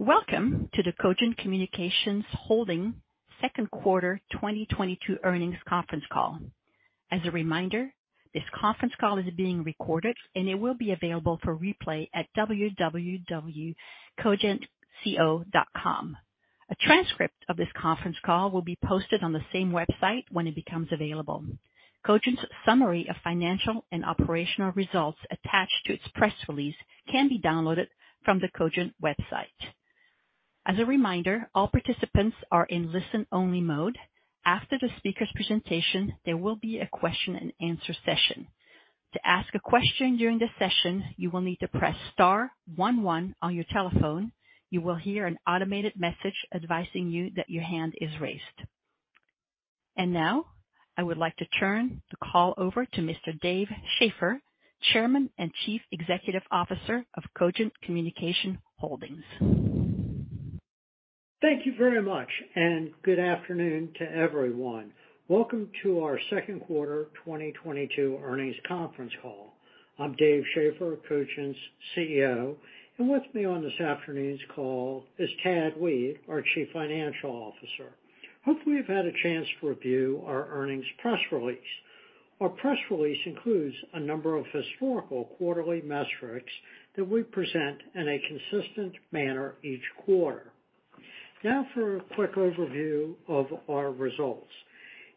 Welcome to the Cogent Communications Holdings second quarter 2022 earnings conference call. As a reminder, this conference call is being recorded and it will be available for replay at www.cogentco.com. A transcript of this conference call will be posted on the same website when it becomes available. Cogent's summary of financial and operational results attached to its press release can be downloaded from the Cogent website. As a reminder, all participants are in listen-only mode. After the speaker's presentation, there will be a question-and-answer session. To ask a question during the session, you will need to press star one one on your telephone. You will hear an automated message advising you that your hand is raised. Now I would like to turn the call over to Mr. Dave Schaeffer, Chairman and Chief Executive Officer of Cogent Communications Holdings. Thank you very much and good afternoon to everyone. Welcome to our second quarter 2022 earnings conference call. I'm Dave Schaeffer, Cogent's CEO, and with me on this afternoon's call is Tad Weed, our Chief Financial Officer. Hopefully, you've had a chance to review our earnings press release. Our press release includes a number of historical quarterly metrics that we present in a consistent manner each quarter. Now for a quick overview of our results.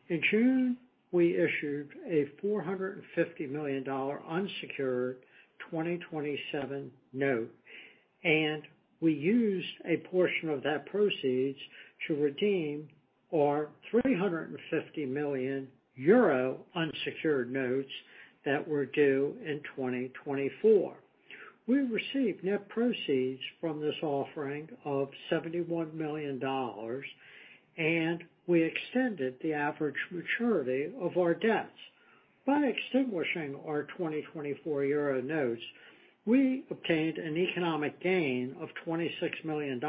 In June, we issued a $450 million unsecured 2027 note, and we used a portion of that proceeds to redeem our 350 million euro unsecured notes that were due in 2024. We received net proceeds from this offering of $71 million, and we extended the average maturity of our debts. By extinguishing our 2024 euro notes, we obtained an economic gain of $26 million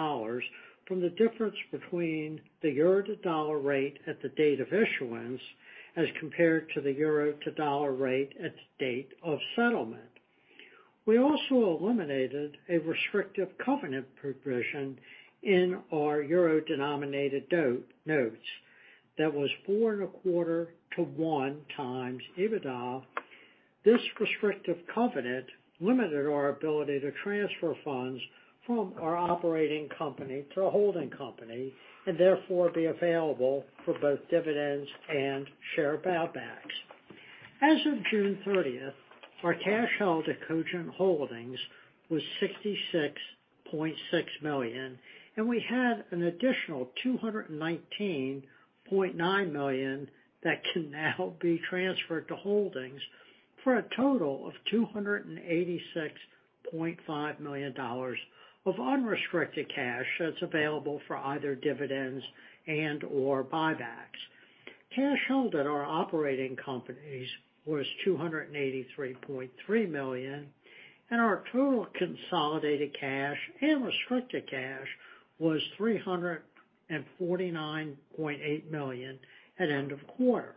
from the difference between the euro to dollar rate at the date of issuance as compared to the euro to dollar rate at the date of settlement. We also eliminated a restrictive covenant provision in our euro-denominated notes that was 4.25-1x EBITDA. This restrictive covenant limited our ability to transfer funds from our operating company to a holding company and therefore be available for both dividends and share buybacks. As of June 30th, our cash held at Cogent Holdings was $66.6 million, and we had an additional $219.9 million that can now be transferred to holdings for a total of $286.5 million of unrestricted cash that's available for either dividends and/or buybacks. Cash held at our operating companies was $283.3 million, and our total consolidated cash and restricted cash was $349.8 million at end of quarter.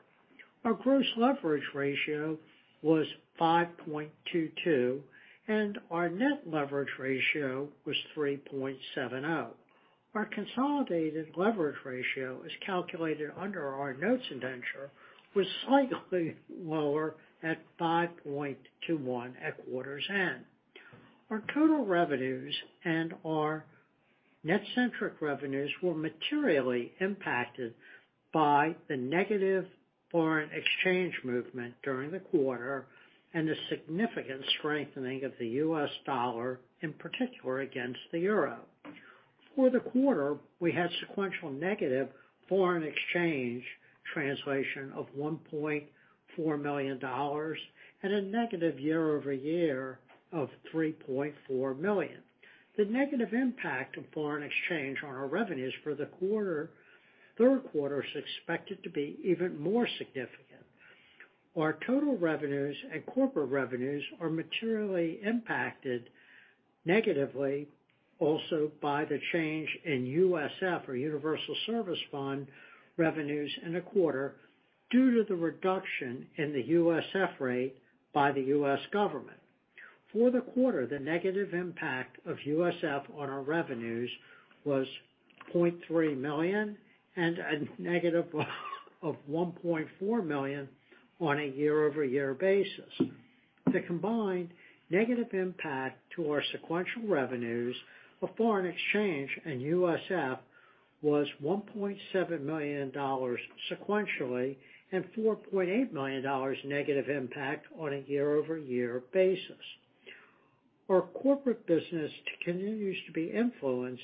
Our gross leverage ratio was 5.22, and our net leverage ratio was 3.70. Our consolidated leverage ratio as calculated under our notes indenture was slightly lower at 5.21 at quarter's end. Our total revenues and our NetCentric revenues were materially impacted by the negative foreign exchange movement during the quarter and the significant strengthening of the U.S. dollar, in particular against the euro. For the quarter, we had sequential negative foreign exchange translation of $1.4 million and a negative year-over-year of $3.4 million. The negative impact of foreign exchange on our revenues for the quarter, third quarter is expected to be even more significant. Our total revenues and corporate revenues are materially impacted negatively also by the change in USF or Universal Service Fund revenues in the quarter, due to the reduction in the USF rate by the U.S. government. For the quarter, the negative impact of USF on our revenues was $0.3 million and a negative of $1.4 million on a year-over-year basis. The combined negative impact to our sequential revenues of foreign exchange and USF was $1.7 million sequentially and $4.8 million negative impact on a year-over-year basis. Our corporate business continues to be influenced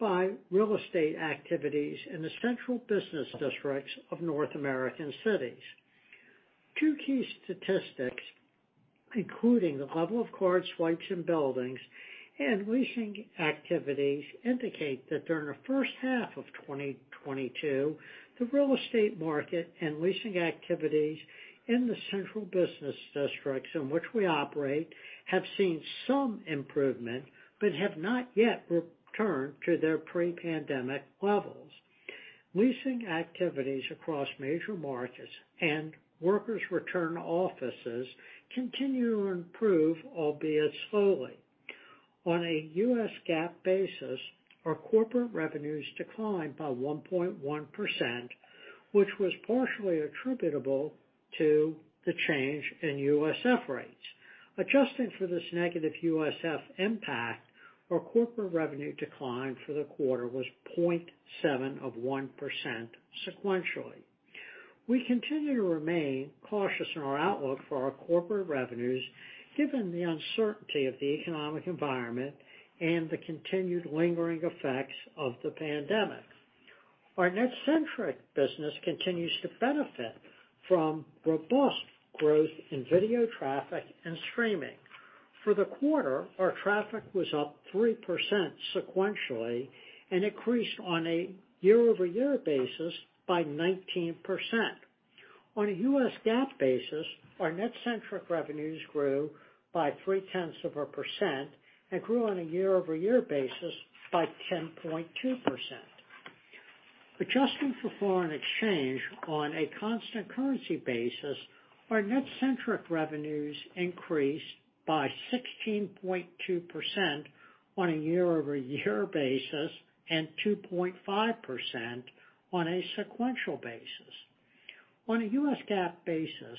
by real estate activities in the central business districts of North American cities. Two key statistics, including the level of card swipes in buildings and leasing activities, indicate that during the first half of 2022, the real estate market and leasing activities in the central business districts in which we operate have seen some improvement but have not yet returned to their pre-pandemic levels. Leasing activities across major markets and workers' return to offices continue to improve, albeit slowly. On a US GAAP basis, our corporate revenues declined by 1.1%, which was partially attributable to the change in USF rates. Adjusting for this negative USF impact, our corporate revenue decline for the quarter was 0.7% sequentially. We continue to remain cautious in our outlook for our corporate revenues given the uncertainty of the economic environment and the continued lingering effects of the pandemic. Our NetCentric business continues to benefit from robust growth in video traffic and streaming. For the quarter, our traffic was up 3% sequentially and increased on a year-over-year basis by 19%. On a US GAAP basis, our NetCentric revenues grew by 0.3% and grew on a year-over-year basis by 10.2%. Adjusting for foreign exchange on a constant currency basis, our NetCentric revenues increased by 16.2% on a year-over-year basis and 2.5% on a sequential basis. On a US GAAP basis,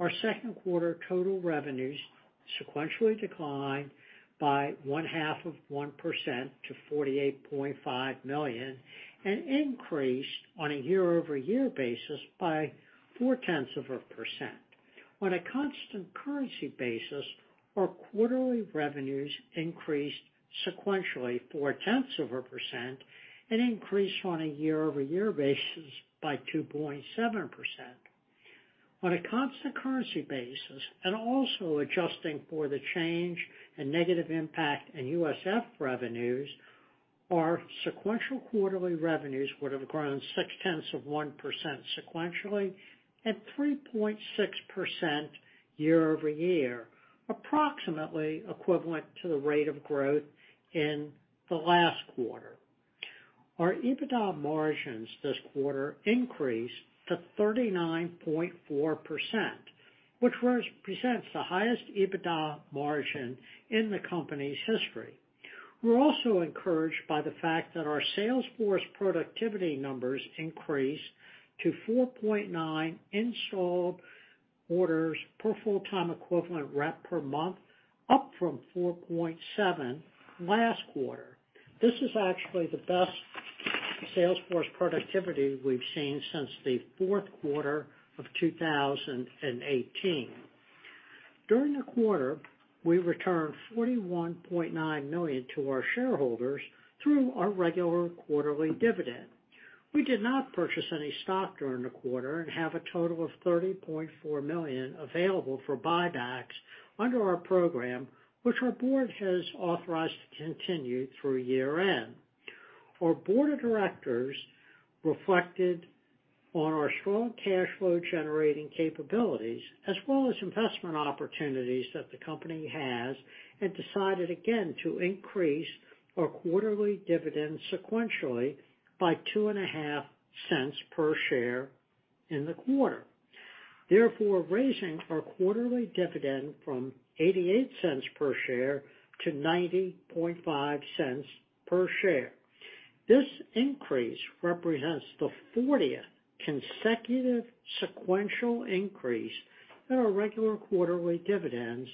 our second quarter total revenues sequentially declined by 0.5% to $48.5 million and increased on a year-over-year basis by 0.4%. On a constant currency basis, our quarterly revenues increased sequentially 0.4% and increased on a year-over-year basis by 2.7%. On a constant currency basis, and also adjusting for the change and negative impact in USF revenues, our sequential quarterly revenues would have grown 0.6% sequentially at 3.6% year-over-year, approximately equivalent to the rate of growth in the last quarter. Our EBITDA margins this quarter increased to 39.4%, which presents the highest EBITDA margin in the company's history. We're also encouraged by the fact that our sales force productivity numbers increased to 4.9 installed orders per full-time equivalent rep per month, up from 4.7 last quarter. This is actually the best sales force productivity we've seen since the fourth quarter of 2018. During the quarter, we returned $41.9 million to our shareholders through our regular quarterly dividend. We did not purchase any stock during the quarter and have a total of $30.4 million available for buybacks under our program, which our board has authorized to continue through year-end. Our board of directors reflected on our strong cash flow generating capabilities as well as investment opportunities that the company has, and decided again to increase our quarterly dividend sequentially by $0.025 per share in the quarter. Therefore, raising our quarterly dividend from $0.88 per share to $0.905 per share. This increase represents the fortieth consecutive sequential increase in our regular quarterly dividends,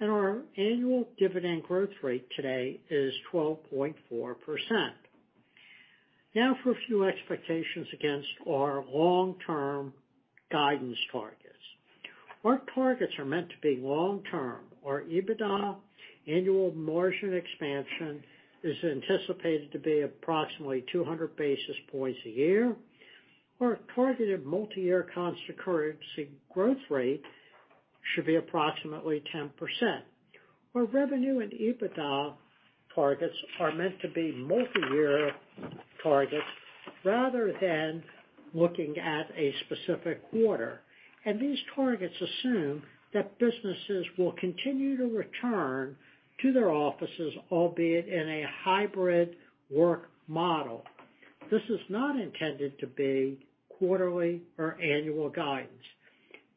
and our annual dividend growth rate today is 12.4%. Now for a few expectations against our long-term guidance targets. Our targets are meant to be long-term. Our EBITDA annual margin expansion is anticipated to be approximately 200 basis points a year. Our targeted multi-year constant currency growth rate should be approximately 10%. Our revenue and EBITDA targets are meant to be multi-year targets rather than looking at a specific quarter. These targets assume that businesses will continue to return to their offices, albeit in a hybrid work model. This is not intended to be quarterly or annual guidance.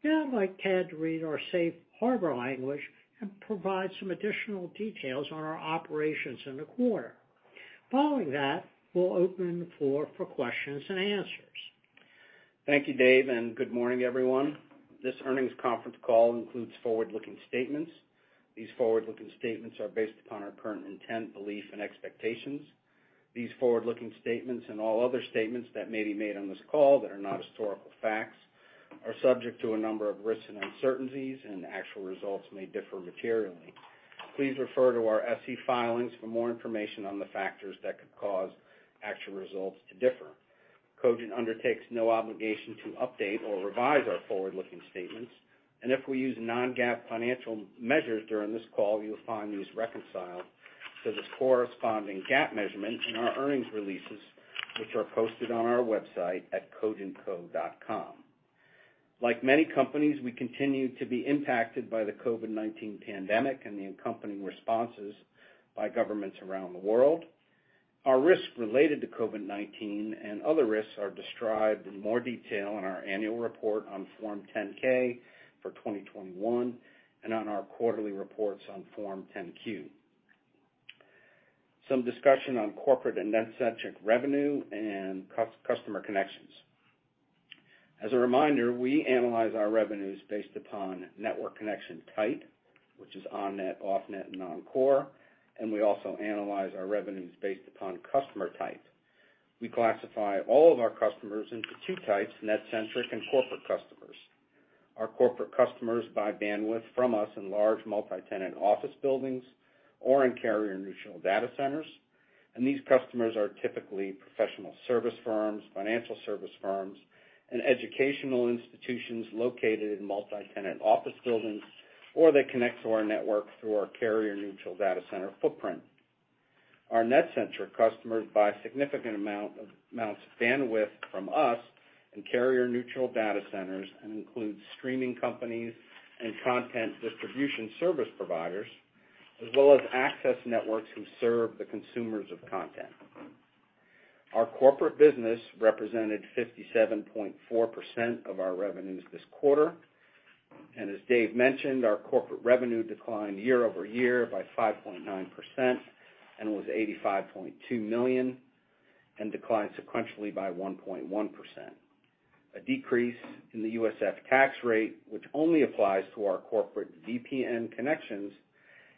Now I'd like Ted to read our safe harbor language and provide some additional details on our operations in the quarter. Following that, we'll open the floor for questions and answers. Thank you, Dave, and good morning, everyone. This earnings conference call includes forward-looking statements. These forward-looking statements are based upon our current intent, belief, and expectations. These forward-looking statements and all other statements that may be made on this call that are not historical facts are subject to a number of risks and uncertainties, and actual results may differ materially. Please refer to our SEC filings for more information on the factors that could cause actual results to differ. Cogent undertakes no obligation to update or revise our forward-looking statements. If we use non-GAAP financial measures during this call, you'll find these reconciled to the corresponding GAAP measurements in our earnings releases, which are posted on our website at cogentco.com. Like many companies, we continue to be impacted by the COVID-19 pandemic and the accompanying responses by governments around the world. Our risks related to COVID-19 and other risks are described in more detail in our annual report on Form 10-K for 2021 and on our quarterly reports on Form 10-Q. Some discussion on corporate and NetCentric revenue and customer connections. As a reminder, we analyze our revenues based upon network connection type, which is on-net, off-net, and non-core, and we also analyze our revenues based upon customer type. We classify all of our customers into two types, NetCentric and corporate customers. Our corporate customers buy bandwidth from us in large multi-tenant office buildings or in carrier-neutral data centers, and these customers are typically professional service firms, financial service firms, and educational institutions located in multi-tenant office buildings, or they connect to our network through our carrier-neutral data center footprint. Our NetCentric customers buy significant amount of bandwidth from us in carrier-neutral data centers and includes streaming companies and content distribution service providers, as well as access networks who serve the consumers of content. Our corporate business represented 57.4% of our revenues this quarter. As Dave mentioned, our corporate revenue declined year-over-year by 5.9% and was $85.2 million, and declined sequentially by 1.1%. A decrease in the USF tax rate, which only applies to our corporate VPN connections,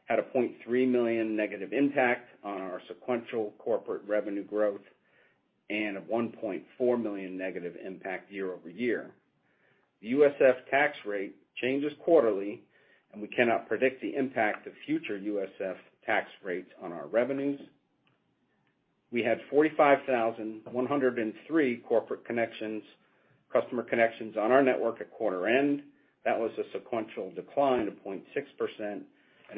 had a $0.3 million negative impact on our sequential corporate revenue growth and a $1.4 million negative impact year-over-year. The USF tax rate changes quarterly, and we cannot predict the impact of future USF tax rates on our revenues. We had 45,103 corporate customer connections on our network at quarter-end. That was a sequential decline of 0.6% and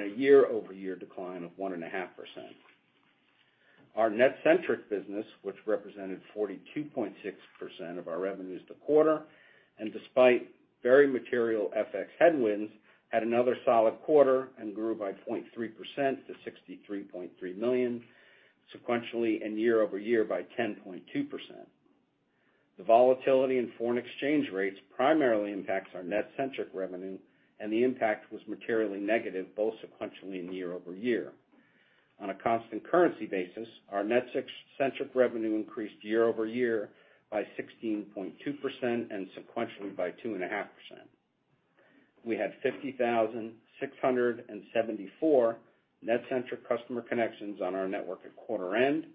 a year-over-year decline of 1.5%. Our NetCentric business, which represented 42.6% of our revenues this quarter, and despite very material FX headwinds, had another solid quarter and grew by 0.3% to $63.3 million sequentially and year-over-year by 10.2%. The volatility in foreign exchange rates primarily impacts our NetCentric revenue, and the impact was materially negative both sequentially and year-over-year. On a constant currency basis, our NetCentric revenue increased year-over-year by 16.2% and sequentially by 2.5%. We had 50,674 NetCentric customer connections on our network at quarter end,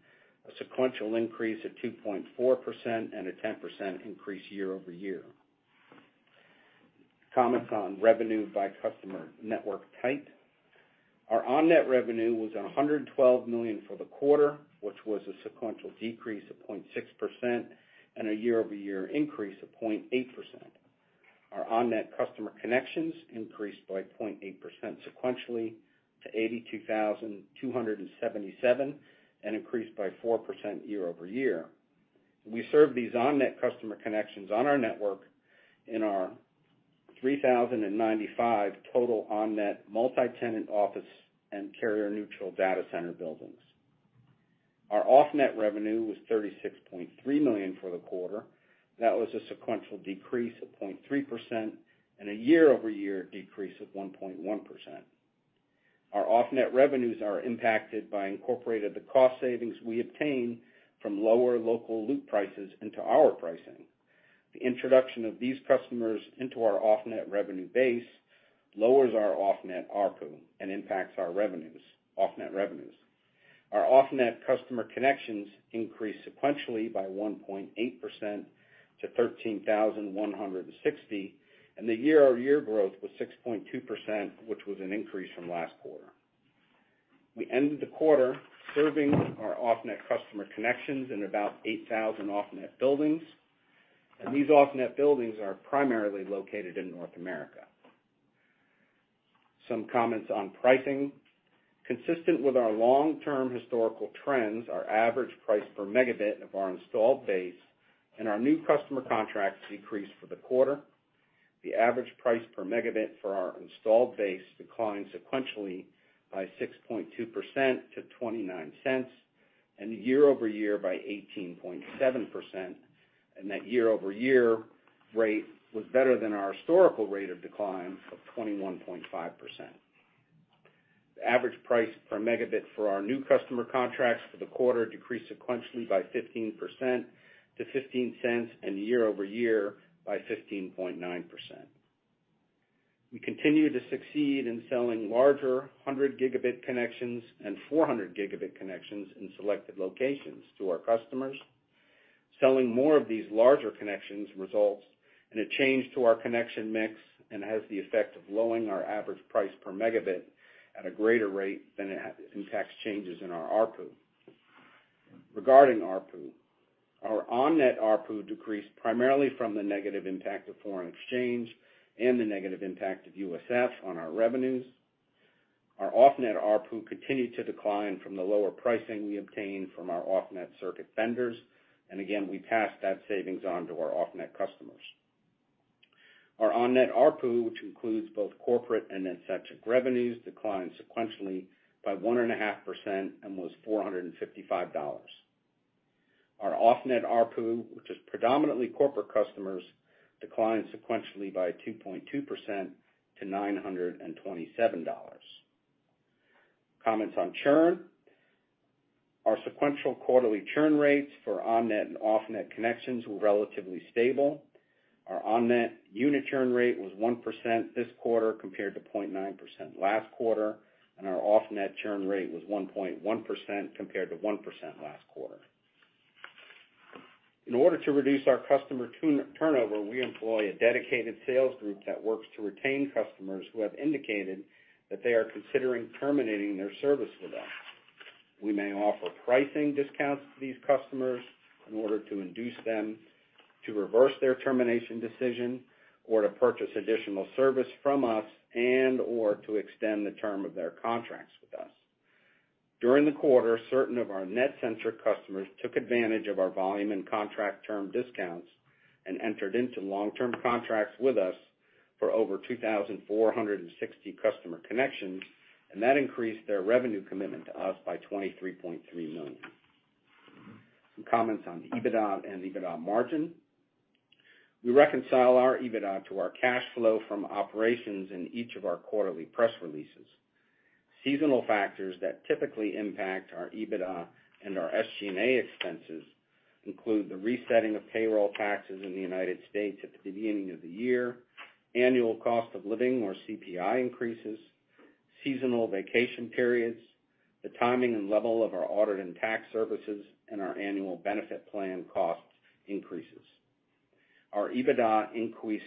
a sequential increase of 2.4% and a 10% increase year-over-year. Comments on revenue by customer network type. Our on-net revenue was $112 million for the quarter, which was a sequential decrease of 0.6% and a year-over-year increase of 0.8%. Our on-net customer connections increased by 0.8% sequentially to 82,277, and increased by 4% year-over-year. We serve these on-net customer connections on our network in our 3,095 total on-net multi-tenant office and carrier-neutral data center buildings. Our off-net revenue was $36.3 million for the quarter. That was a sequential decrease of 0.3% and a year-over-year decrease of 1.1%. Our off-net revenues are impacted by incorporating the cost savings we obtain from lower local loop prices into our pricing. The introduction of these customers into our off-net revenue base lowers our off-net ARPU and impacts our revenues, off-net revenues. Our off-net customer connections increased sequentially by 1.8% to 13,160, and the year-over-year growth was 6.2%, which was an increase from last quarter. We ended the quarter serving our off-net customer connections in about 8,000 off-net buildings, and these off-net buildings are primarily located in North America. Some comments on pricing. Consistent with our long-term historical trends, our average price per megabit of our installed base and our new customer contracts decreased for the quarter. The average price per megabit for our installed base declined sequentially by 6.2% to $0.29, and year-over-year by 18.7%, and that year-over-year rate was better than our historical rate of decline of 21.5%. The average price per megabit for our new customer contracts for the quarter decreased sequentially by 15% to $0.15, and year-over-year by 15.9%. We continue to succeed in selling larger 100 gigabit connections and 400 gigabit connections in selected locations to our customers. Selling more of these larger connections results in a change to our connection mix and has the effect of lowering our average price per megabit at a greater rate than it impacts changes in our ARPU. Regarding ARPU, our on-net ARPU decreased primarily from the negative impact of foreign exchange and the negative impact of USF on our revenues. Our off-net ARPU continued to decline from the lower pricing we obtained from our off-net circuit vendors, and again, we passed that savings on to our off-net customers. Our on-net ARPU, which includes both corporate and NetCentric revenues, declined sequentially by 1.5% and was $455. Our off-net ARPU, which is predominantly corporate customers, declined sequentially by 2.2% to $927. Comments on churn. Our sequential quarterly churn rates for on-net and off-net connections were relatively stable. Our on-net unit churn rate was 1% this quarter compared to 0.9% last quarter, and our off-net churn rate was 1.1% compared to 1% last quarter. In order to reduce our customer turn, turnover, we employ a dedicated sales group that works to retain customers who have indicated that they are considering terminating their service with us. We may offer pricing discounts to these customers in order to induce them to reverse their termination decision or to purchase additional service from us and/or to extend the term of their contracts with us. During the quarter, certain of our NetCentric customers took advantage of our volume and contract term discounts and entered into long-term contracts with us for over 2,460 customer connections, and that increased their revenue commitment to us by $23.3 million. Some comments on EBITDA and EBITDA margin. We reconcile our EBITDA to our cash flow from operations in each of our quarterly press releases. Seasonal factors that typically impact our EBITDA and our SG&A expenses include the resetting of payroll taxes in the United States at the beginning of the year, annual cost of living increases, seasonal vacation periods, the timing and level of our audit and tax services, and our annual benefit plan cost increases. Our EBITDA increased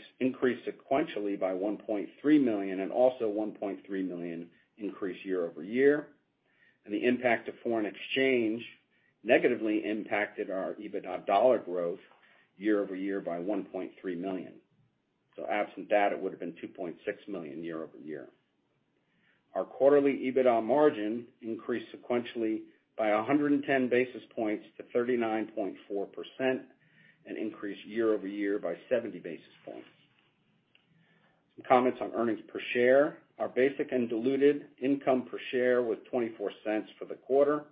sequentially by $1.3 million and also $1.3 million increase year-over-year. The impact of foreign exchange negatively impacted our EBITDA dollar growth year-over-year by $1.3 million. Absent that, it would have been $2.6 million year-over-year. Our quarterly EBITDA margin increased sequentially by 110 basis points to 39.4% and increased year-over-year by 70 basis points. Some comments on earnings per share. Our basic and diluted income per share was $0.24 for the quarter.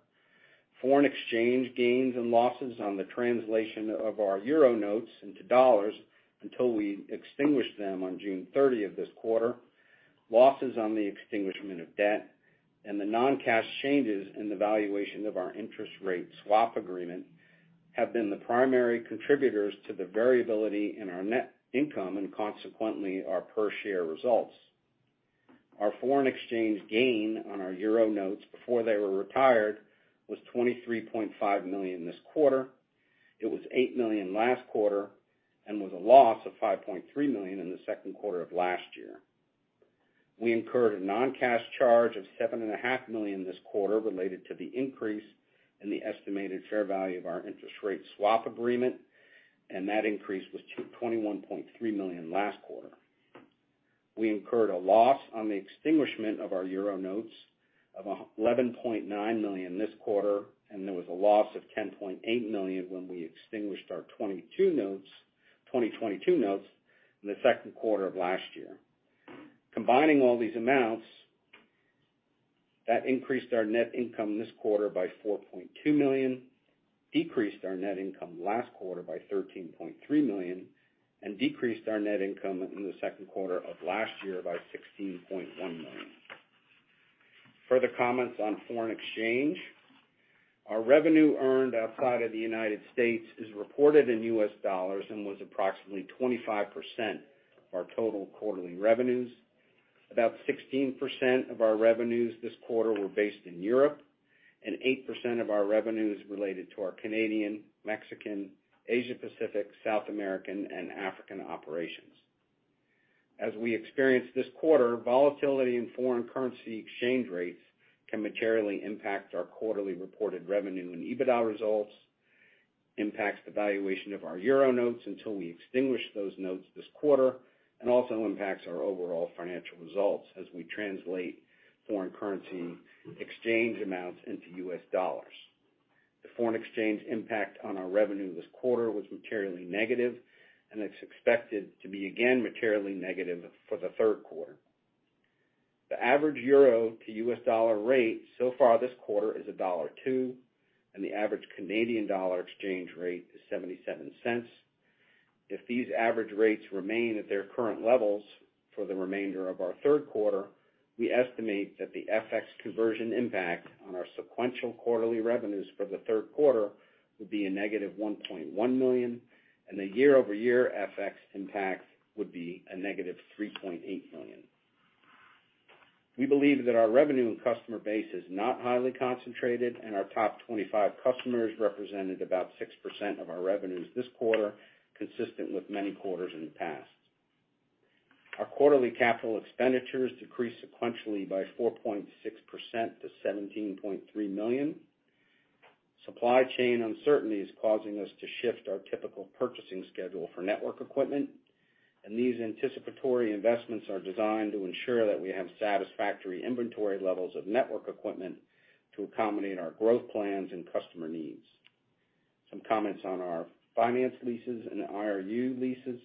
Foreign exchange gains and losses on the translation of our euro notes into dollars until we extinguished them on June 30 of this quarter. Losses on the extinguishment of debt and the non-cash changes in the valuation of our interest rate swap agreement have been the primary contributors to the variability in our net income and consequently, our per share results. Our foreign exchange gain on our euro notes before they were retired was $23.5 million this quarter. It was $8 million last quarter, and was a loss of $5.3 million in the second quarter of last year. We incurred a non-cash charge of $7 and a half million this quarter related to the increase in the estimated fair value of our interest rate swap agreement, and that increase was $21.3 million last quarter. We incurred a loss on the extinguishment of our euro notes of $11.9 million this quarter, and there was a loss of $10.8 million when we extinguished our 2022 notes in the second quarter of last year. Combining all these amounts, that increased our net income this quarter by $4.2 million, decreased our net income last quarter by $13.3 million, and decreased our net income in the second quarter of last year by $16.1 million. Further comments on foreign exchange. Our revenue earned outside of the United States is reported in US dollars and was approximately 25% of our total quarterly revenues. About 16% of our revenues this quarter were based in Europe, and 8% of our revenue is related to our Canadian, Mexican, Asia Pacific, South American, and African operations. As we experienced this quarter, volatility in foreign currency exchange rates can materially impact our quarterly reported revenue and EBITDA results, impacts the valuation of our euro notes until we extinguish those notes this quarter, and also impacts our overall financial results as we translate foreign currency exchange amounts into US dollars. The foreign exchange impact on our revenue this quarter was materially negative, and it's expected to be again materially negative for the third quarter. The average euro to US dollar rate so far this quarter is $1.02, and the average Canadian dollar exchange rate is 77 cents. If these average rates remain at their current levels for the remainder of our third quarter, we estimate that the FX conversion impact on our sequential quarterly revenues for the third quarter will be a negative $1.1 million, and the year-over-year FX impact would be a negative $3.8 million. We believe that our revenue and customer base is not highly concentrated, and our top 25 customers represented about 6% of our revenues this quarter, consistent with many quarters in the past. Our quarterly capital expenditures decreased sequentially by 4.6% to $17.3 million. Supply chain uncertainty is causing us to shift our typical purchasing schedule for network equipment, and these anticipatory investments are designed to ensure that we have satisfactory inventory levels of network equipment to accommodate our growth plans and customer needs. Some comments on our finance leases and IRU leases.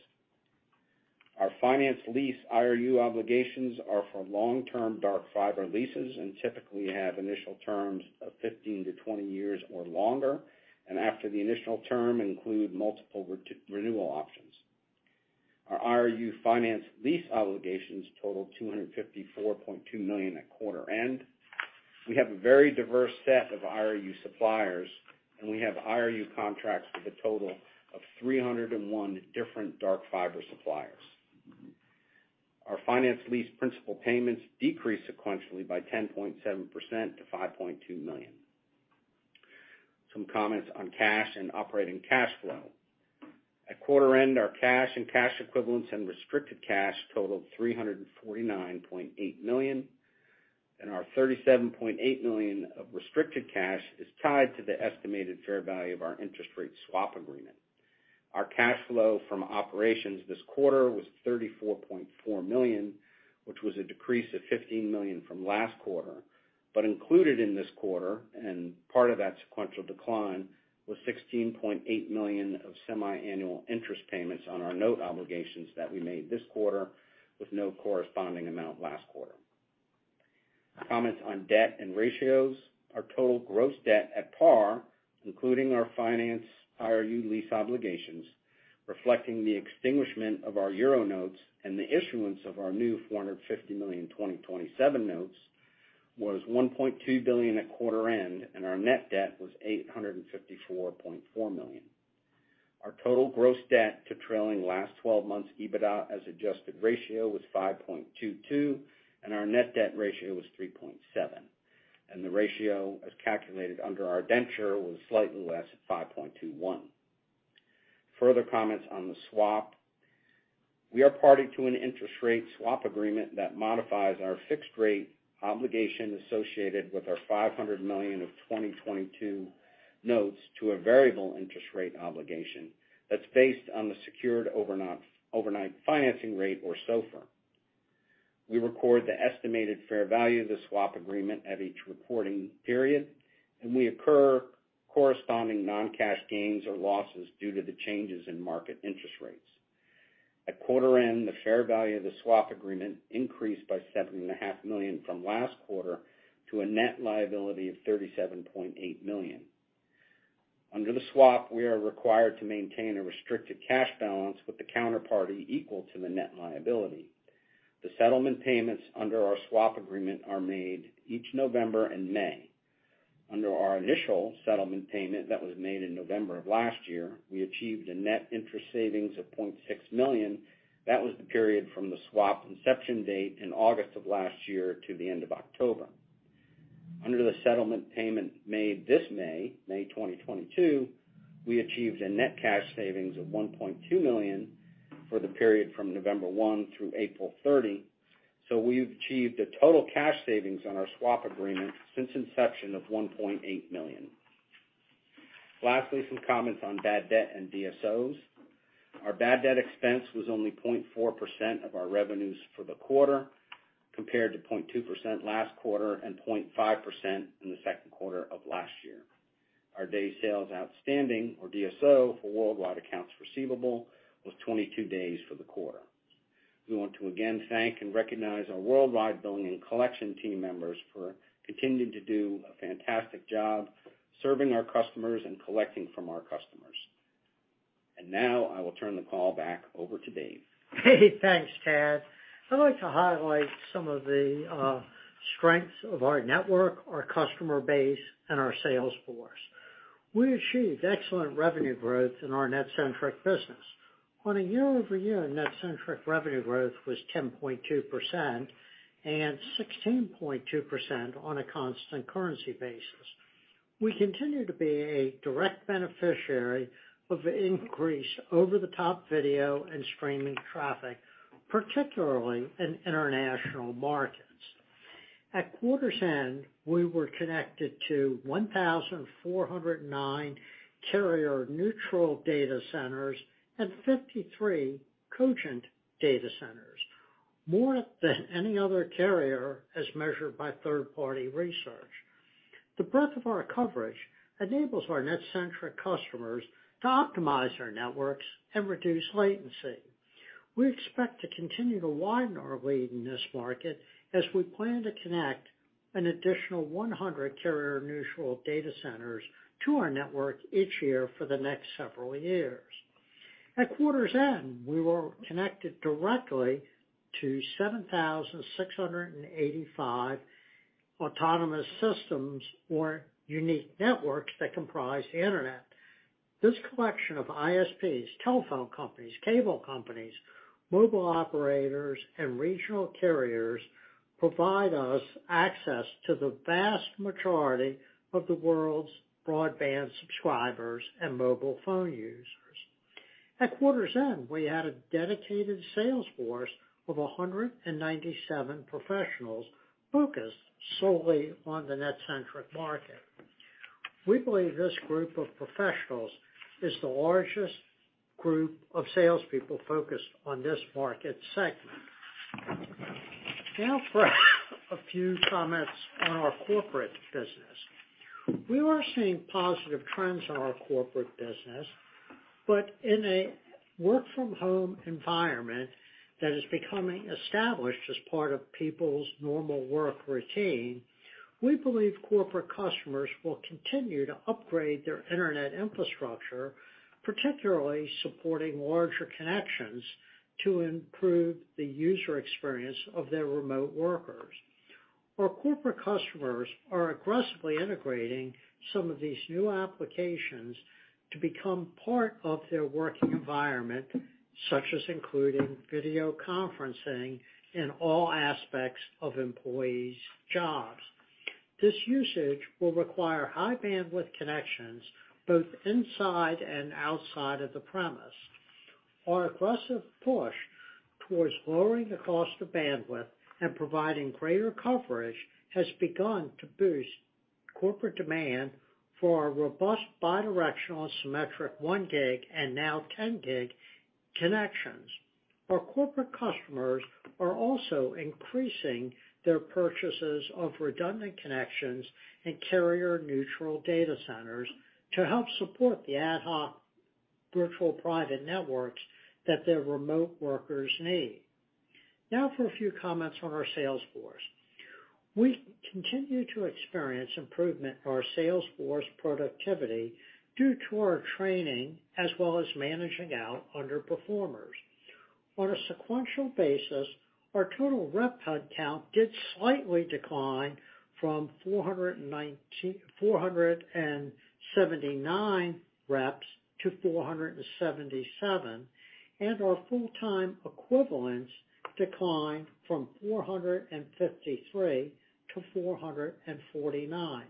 Our finance lease IRU obligations are for long-term dark fiber leases, and typically have initial terms of 15-20 years or longer, and after the initial term, include multiple re-renewal options. Our IRU finance lease obligations totaled $254.2 million at quarter end. We have a very diverse set of IRU suppliers, and we have IRU contracts with a total of 301 different dark fiber suppliers. Our finance lease principal payments decreased sequentially by 10.7% to $5.2 million. Some comments on cash and operating cash flow. At quarter end, our cash and cash equivalents and restricted cash totaled $349.8 million, and our $37.8 million of restricted cash is tied to the estimated fair value of our interest rate swap agreement. Our cash flow from operations this quarter was $34.4 million, which was a decrease of $15 million from last quarter. Included in this quarter, and part of that sequential decline, was $16.8 million of semiannual interest payments on our note obligations that we made this quarter, with no corresponding amount last quarter. Comments on debt and ratios. Our total gross debt at par, including our finance IRU lease obligations, reflecting the extinguishment of our euro notes and the issuance of our new $450 million 2027 notes, was $1.2 billion at quarter end, and our net debt was $854.4 million. Our total gross debt to trailing last 12 months EBITDA as adjusted ratio was 5.22, and our net debt ratio was 3.7. The ratio as calculated under our indenture was slightly less at 5.21. Further comments on the swap. We are party to an interest rate swap agreement that modifies our fixed rate obligation associated with our $500 million of 2022 notes to a variable interest rate obligation that's based on the secured overnight financing rate, or SOFR. We record the estimated fair value of the swap agreement at each reporting period, and we accrue corresponding non-cash gains or losses due to the changes in market interest rates. At quarter end, the fair value of the swap agreement increased by $7.5 million from last quarter to a net liability of $37.8 million. Under the swap, we are required to maintain a restricted cash balance with the counterparty equal to the net liability. The settlement payments under our swap agreement are made each November and May. Under our initial settlement payment that was made in November of last year, we achieved a net interest savings of $0.6 million. That was the period from the swap inception date in August of last year to the end of October. Under the settlement payment made this May 2022, we achieved a net cash savings of $1.2 million for the period from November 1 through April 30. We've achieved a total cash savings on our swap agreement since inception of $1.8 million. Lastly, some comments on bad debt and DSOs. Our bad debt expense was only 0.4% of our revenues for the quarter, compared to 0.2% last quarter and 0.5% in the second quarter of last year. Our days sales outstanding, or DSO, for worldwide accounts receivable was 22 days for the quarter. We want to again thank and recognize our worldwide billing and collection team members for continuing to do a fantastic job serving our customers and collecting from our customers. Now I will turn the call back over to Dave. Thanks, Tad. I'd like to highlight some of the strengths of our network, our customer base, and our sales force. We achieved excellent revenue growth in our NetCentric business. On a year-over-year, NetCentric revenue growth was 10.2%, and 16.2% on a constant currency basis. We continue to be a direct beneficiary of the increase over-the-top video and streaming traffic, particularly in international markets. At quarter's end, we were connected to 1,409 carrier-neutral data centers and 53 Cogent data centers, more than any other carrier as measured by third-party research. The breadth of our coverage enables our NetCentric customers to optimize their networks and reduce latency. We expect to continue to widen our lead in this market as we plan to connect an additional 100 carrier-neutral data centers to our network each year for the next several years. At quarter's end, we were connected directly to 7,685 autonomous systems or unique networks that comprise the internet. This collection of ISPs, telephone companies, cable companies, mobile operators, and regional carriers provide us access to the vast majority of the world's broadband subscribers and mobile phone users. At quarter's end, we had a dedicated sales force of 197 professionals focused solely on the NetCentric market. We believe this group of professionals is the largest group of salespeople focused on this market segment. Now for a few comments on our corporate business. We are seeing positive trends in our corporate business, but in a work from home environment that is becoming established as part of people's normal work routine, we believe corporate customers will continue to upgrade their internet infrastructure, particularly supporting larger connections to improve the user experience of their remote workers. Our corporate customers are aggressively integrating some of these new applications to become part of their working environment, such as including video conferencing in all aspects of employees' jobs. This usage will require high bandwidth connections both inside and outside of the premises. Our aggressive push towards lowering the cost of bandwidth and providing greater coverage has begun to boost corporate demand for our robust bidirectional symmetric 1 gig and now 10 gig connections. Our corporate customers are also increasing their purchases of redundant connections in carrier-neutral data centers to help support the ad hoc virtual private networks that their remote workers need. Now for a few comments on our sales force. We continue to experience improvement in our sales force productivity due to our training, as well as managing out underperformers. On a sequential basis, our total rep head count did slightly decline from 419. 479 reps to 477, and our full-time equivalents declined from 453 to 449.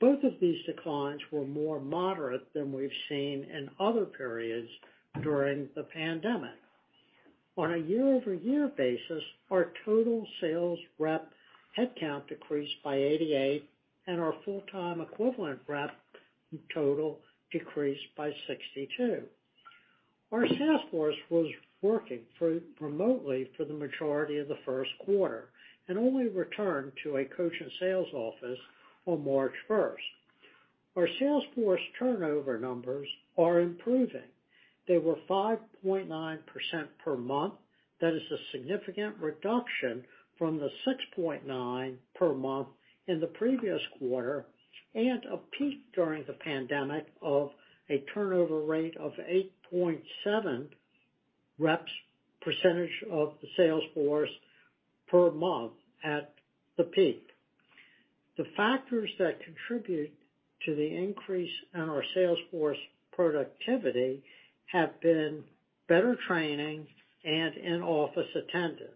Both of these declines were more moderate than we've seen in other periods during the pandemic. On a year-over-year basis, our total sales rep headcount decreased by 88, and our full-time equivalent reps in total decreased by 62. Our sales force was working remotely for the majority of the first quarter and only returned to a Cogent sales office on March first. Our sales force turnover numbers are improving. They were 5.9% per month. That is a significant reduction from the 6.9% per month in the previous quarter, and a peak during the pandemic of a turnover rate of 8.7% of the sales force per month at the peak. The factors that contribute to the increase in our sales force productivity have been better training and in-office attendance.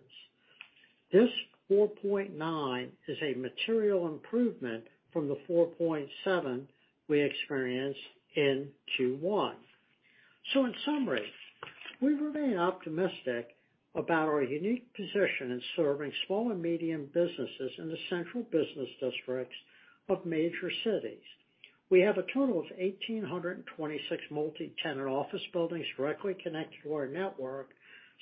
This 4.9 is a material improvement from the 4.7 we experienced in Q1. In summary, we remain optimistic about our unique position in serving small and medium businesses in the central business districts of major cities. We have a total of 1,826 multi-tenant office buildings directly connected to our network,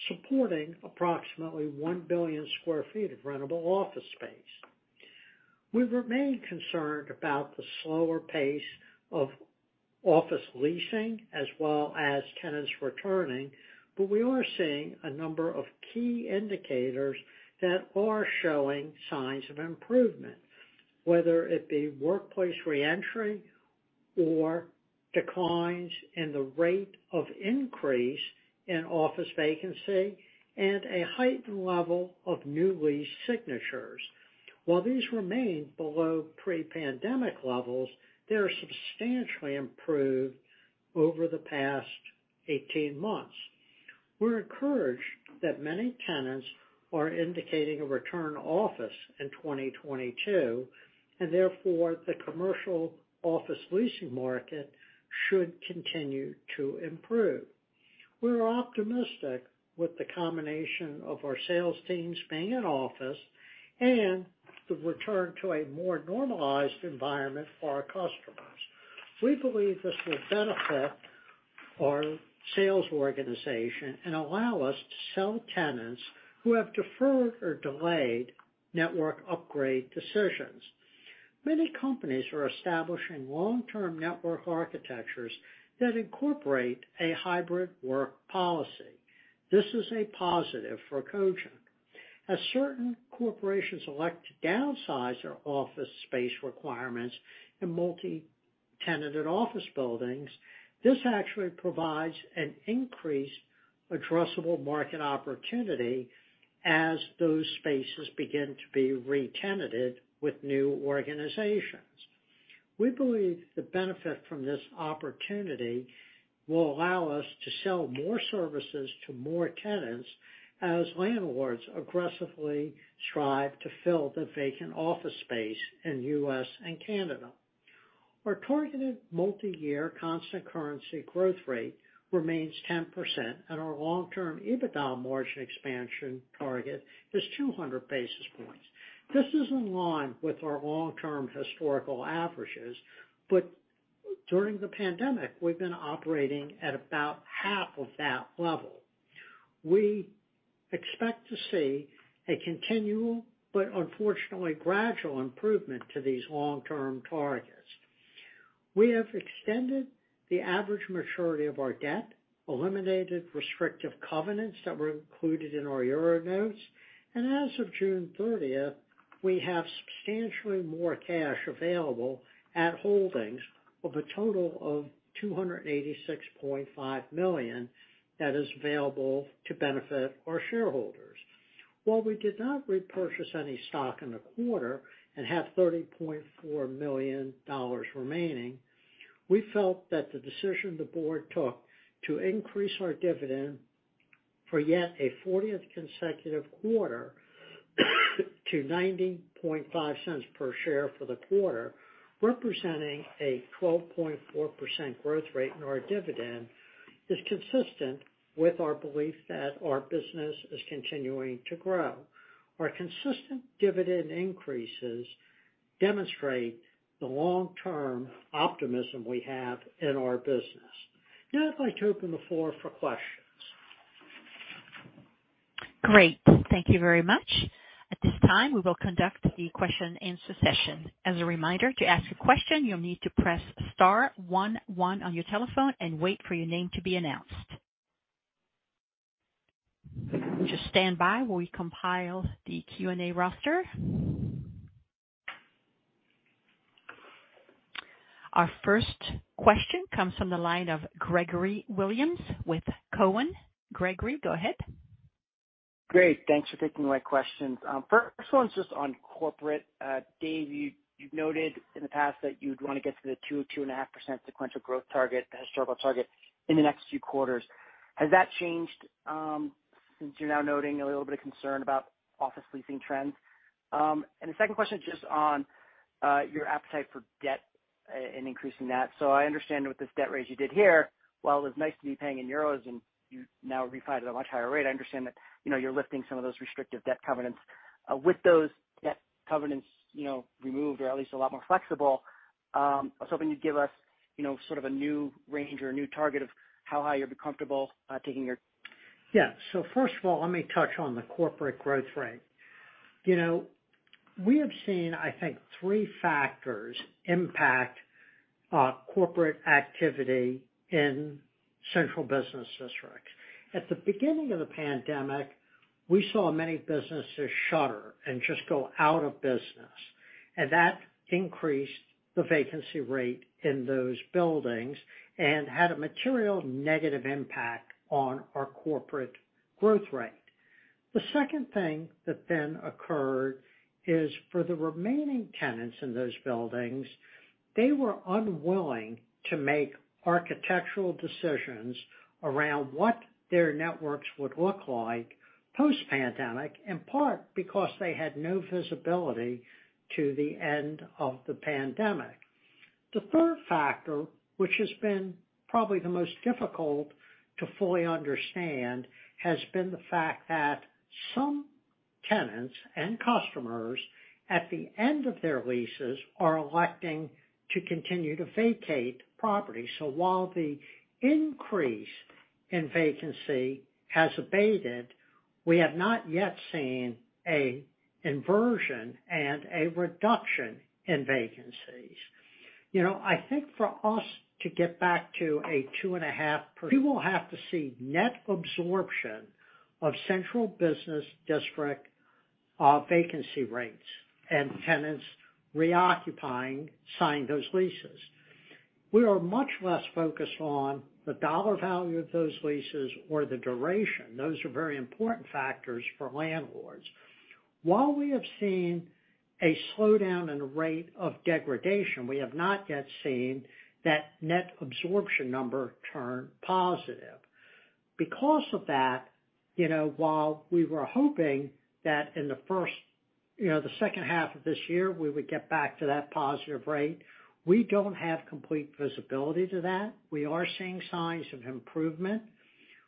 supporting approximately 1 billion sq ft of rentable office space. We remain concerned about the slower pace of office leasing as well as tenants returning, but we are seeing a number of key indicators that are showing signs of improvement, whether it be workplace re-entry or declines in the rate of increase in office vacancy and a heightened level of new lease signatures. While these remain below pre-pandemic levels, they are substantially improved over the past 18 months. We're encouraged that many tenants are indicating a return to office in 2022, and therefore the commercial office leasing market should continue to improve. We're optimistic with the combination of our sales teams being in office and the return to a more normalized environment for our customers. We believe this will benefit our sales organization and allow us to sell to tenants who have deferred or delayed network upgrade decisions. Many companies are establishing long-term network architectures that incorporate a hybrid work policy. This is a positive for Cogent. As certain corporations elect to downsize their office space requirements in multi-tenanted office buildings, this actually provides an increased addressable market opportunity as those spaces begin to be re-tenanted with new organizations. We believe the benefit from this opportunity will allow us to sell more services to more tenants as landlords aggressively strive to fill the vacant office space in U.S. and Canada. Our targeted multi-year constant currency growth rate remains 10% and our long-term EBITDA margin expansion target is 200 basis points. This is in line with our long-term historical averages, but during the pandemic, we've been operating at about half of that level. We expect to see a continual, but unfortunately gradual improvement to these long-term targets. We have extended the average maturity of our debt, eliminated restrictive covenants that were included in our Euro notes, and as of June thirtieth, we have substantially more cash available at holdings of a total of $286.5 million that is available to benefit our shareholders. While we did not repurchase any stock in the quarter and have $30.4 million remaining, we felt that the decision the board took to increase our dividend for yet a 40th consecutive quarter to $0.905 per share for the quarter, representing a 12.4% growth rate in our dividend, is consistent with our belief that our business is continuing to grow. Our consistent dividend increases demonstrate the long-term optimism we have in our business. Now I'd like to open the floor for questions. Great. Thank you very much. At this time, we will conduct the question-and-answer session. As a reminder, to ask a question, you'll need to press star one one on your telephone and wait for your name to be announced. Just stand by where we compile the Q&A roster. Our first question comes from the line of Gregory Williams with TD Cowen. Gregory, go ahead. Great. Thanks for taking my questions. First one's just on corporate. Dave, you've noted in the past that you'd want to get to the 2-2.5% sequential growth target, the historical target in the next few quarters. Has that changed, since you're now noting a little bit of concern about office leasing trends? The second question is just on your appetite for debt and increasing that. I understand with this debt raise you did here, while it was nice to be paying in euros and you now refi at a much higher rate, I understand that, you know, you're lifting some of those restrictive debt covenants. With those debt covenants, you know, removed or at least a lot more flexible, I was hoping you'd give us, you know, sort of a new range or a new target of how high you'll be comfortable taking your- Yeah. First of all, let me touch on the corporate growth rate. You know, we have seen, I think three factors impact corporate activity in central business districts. At the beginning of the pandemic, we saw many businesses shutter and just go out of business, and that increased the vacancy rate in those buildings and had a material negative impact on our corporate growth rate. The second thing that then occurred is, for the remaining tenants in those buildings, they were unwilling to make architectural decisions around what their networks would look like post-pandemic, in part because they had no visibility to the end of the pandemic. The third factor, which has been probably the most difficult to fully understand, has been the fact that some tenants and customers at the end of their leases are electing to continue to vacate property. While the increase in vacancy has abated, we have not yet seen an inversion and a reduction in vacancies. You know, I think for us to get back to, we will have to see net absorption of central business district vacancy rates and tenants reoccupying, signing those leases. We are much less focused on the dollar value of those leases or the duration. Those are very important factors for landlords. While we have seen a slowdown in the rate of degradation, we have not yet seen that net absorption number turn positive. Because of that, you know, while we were hoping that in the first, you know, the second half of this year we would get back to that positive rate, we don't have complete visibility to that. We are seeing signs of improvement.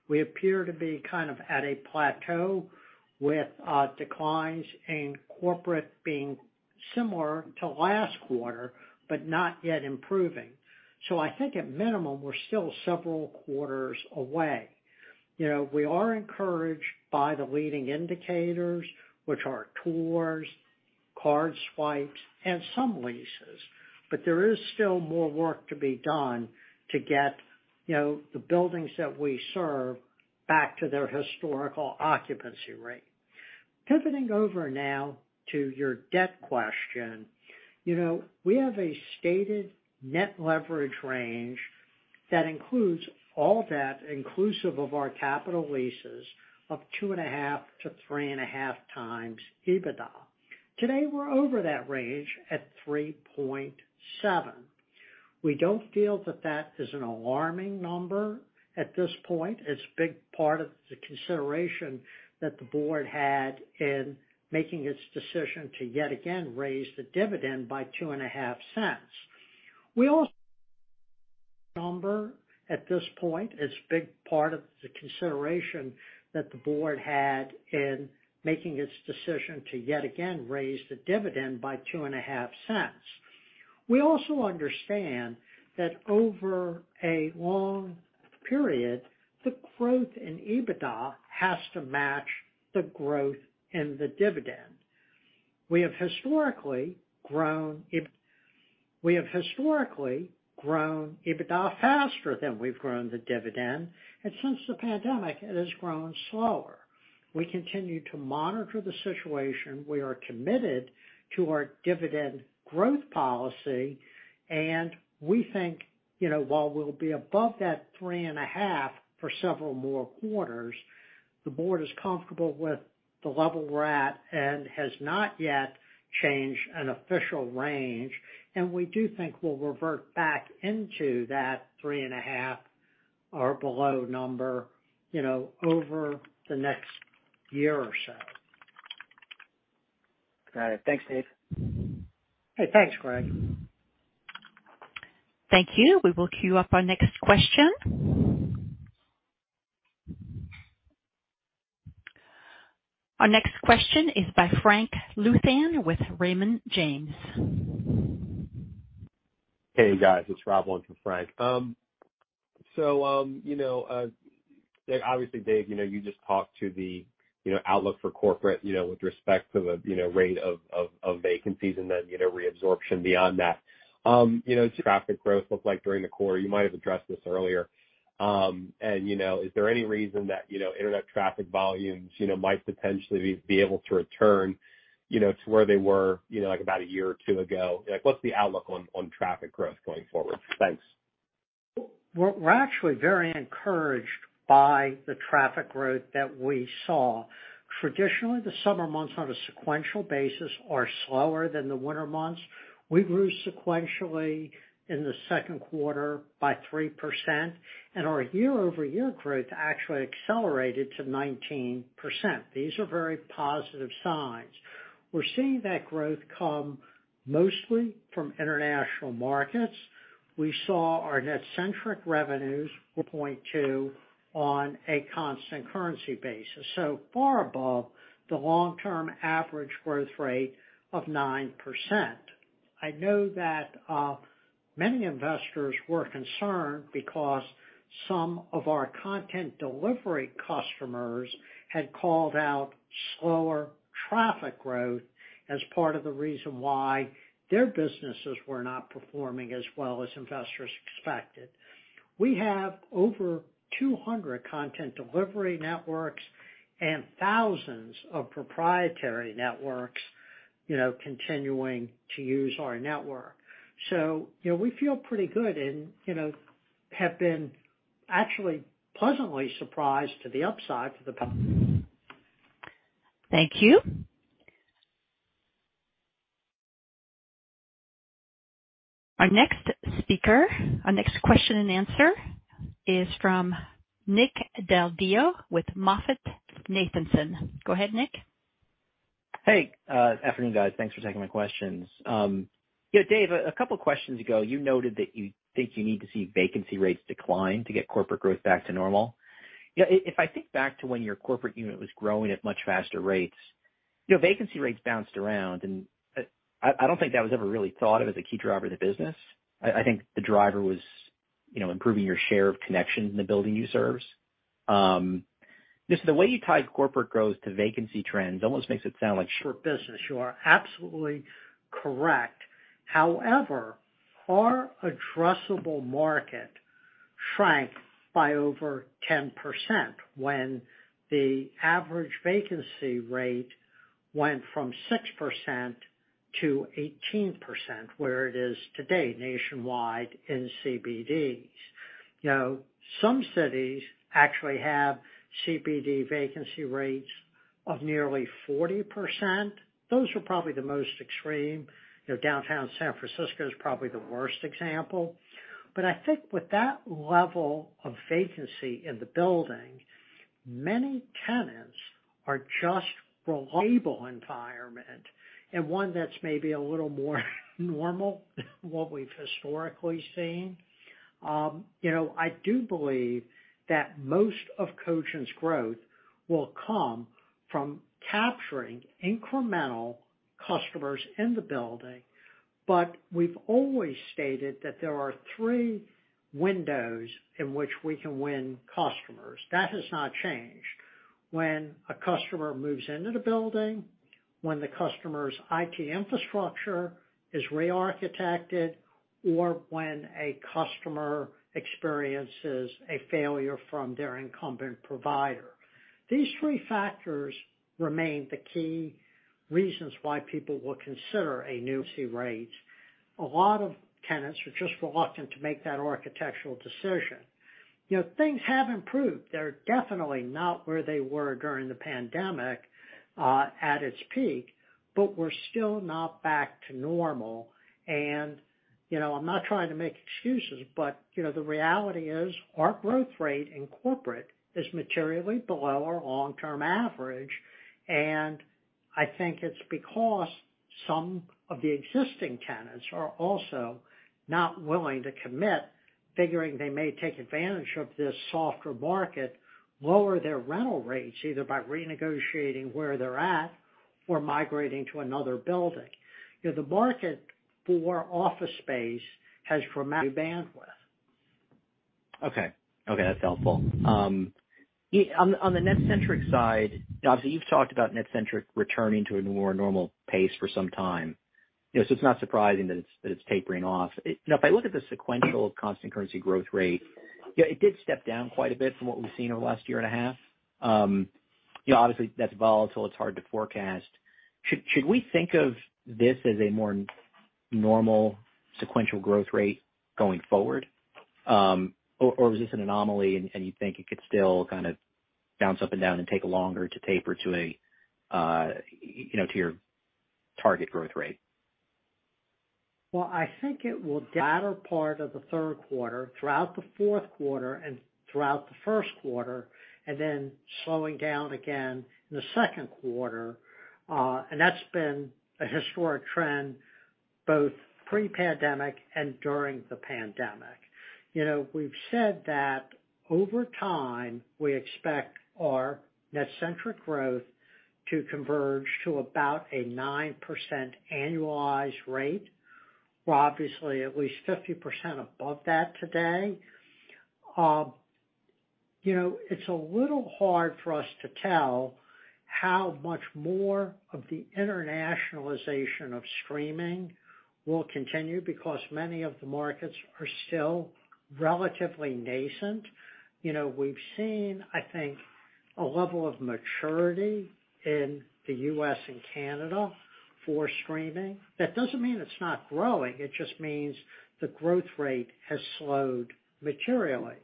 We appear to be kind of at a plateau with declines in corporate being similar to last quarter, but not yet improving. I think at minimum, we're still several quarters away. You know, we are encouraged by the leading indicators which are tours, card swipes and some leases. But there is still more work to be done to get, you know, the buildings that we serve back to their historical occupancy rate. Pivoting over now to your debt question. You know, we have a stated net leverage range that includes all debt inclusive of our capital leases of 2.5x to 3.5x EBITDA. Today, we're over that range at 3.7. We don't feel that that is an alarming number at this point. It's a big part of the consideration that the board had in making its decision to yet again raise the dividend by $0.025. We also understand that over a long period, the growth in EBITDA has to match the growth in the dividend. We have historically grown EBITDA faster than we've grown the dividend, and since the pandemic, it has grown slower. We continue to monitor the situation. We are committed to our dividend growth policy, and we think, you know, while we'll be above that 3.5% for several more quarters, the board is comfortable with the level we're at and has not yet changed an official range. We do think we'll revert back into that 3.5% or below number, you know, over the next year or so. Got it. Thanks, Dave. Hey, thanks, Greg. Thank you. We will queue up our next question. Our next question is by Frank Louthan with Raymond James. Hey, guys, it's Rob on for Frank. Obviously, Dave, you know, you just talked about the outlook for corporate with respect to the rate of vacancies and then reabsorption beyond that. You know, traffic growth looked like during the quarter. You might have addressed this earlier. You know, is there any reason that Internet traffic volumes might potentially be able to return to where they were like about a year or two ago? Like, what's the outlook on traffic growth going forward? Thanks. We're actually very encouraged by the traffic growth that we saw. Traditionally, the summer months on a sequential basis are slower than the winter months. We grew sequentially in the second quarter by 3%, and our year-over-year growth actually accelerated to 19%. These are very positive signs. We're seeing that growth come mostly from international markets. We saw our NetCentric revenues were 0.2% on a constant currency basis, so far above the long-term average growth rate of 9%. I know that many investors were concerned because some of our content delivery customers had called out slower traffic growth as part of the reason why their businesses were not performing as well as investors expected. We have over 200 content delivery networks and thousands of proprietary networks, you know, continuing to use our network. you know, we feel pretty good and, you know, have been actually pleasantly surprised to the upside to the public. Thank you. Our next question and answer is from Nick Del Deo with MoffettNathanson. Go ahead, Nick. Hey, afternoon, guys. Thanks for taking my questions. Yeah, Dave, a couple of questions ago, you noted that you think you need to see vacancy rates decline to get corporate growth back to normal. Yeah, if I think back to when your corporate unit was growing at much faster rates, you know, vacancy rates bounced around, and I don't think that was ever really thought of as a key driver of the business. I think the driver was, you know, improving your share of connections in the building you serve. Just the way you tied corporate growth to vacancy trends almost makes it sound like- For business, you are absolutely correct. However, our addressable market shrank by over 10% when the average vacancy rate went from 6%-18%, where it is today nationwide in CBDs. You know, some cities actually have CBD vacancy rates of nearly 40%. Those are probably the most extreme. You know, downtown San Francisco is probably the worst example. I think with that level of vacancy in the building, many tenants are just reliable environment and one that's maybe a little more normal than what we've historically seen. You know, I do believe that most of Cogent's growth will come from capturing incremental customers in the building, but we've always stated that there are three windows in which we can win customers. That has not changed. When a customer moves into the building, when the customer's IT infrastructure is re-architected, or when a customer experiences a failure from their incumbent provider. These three factors remain the key reasons why people will consider a new carrier rates. A lot of tenants are just reluctant to make that architectural decision. You know, things have improved. They're definitely not where they were during the pandemic, at its peak, but we're still not back to normal. You know, I'm not trying to make excuses, but, you know, the reality is our growth rate in corporate is materially below our long-term average. I think it's because some of the existing tenants are also not willing to commit, figuring they may take advantage of this softer market, lower their rental rates, either by renegotiating where they're at or migrating to another building. You know, the market for office space has dramatically bandwidth. Okay. Okay, that's helpful. On the NetCentric side, obviously, you've talked about NetCentric returning to a more normal pace for some time. You know, so it's not surprising that it's tapering off. You know, if I look at the sequential constant currency growth rate, you know, it did step down quite a bit from what we've seen over the last year and a half. You know, obviously, that's volatile, it's hard to forecast. Should we think of this as a more normal sequential growth rate going forward? Or was this an anomaly and you think it could still kind of bounce up and down and take longer to taper to a, you know, to your target growth rate? Latter part of the third quarter throughout the fourth quarter and throughout the first quarter, and then slowing down again in the second quarter. That's been a historic trend, both pre-pandemic and during the pandemic. You know, we've said that over time, we expect our NetCentric growth to converge to about a 9% annualized rate. We're obviously at least 50% above that today. You know, it's a little hard for us to tell how much more of the internationalization of streaming will continue because many of the markets are still relatively nascent. You know, we've seen, I think, a level of maturity in the U.S. and Canada for streaming. That doesn't mean it's not growing. It just means the growth rate has slowed materially.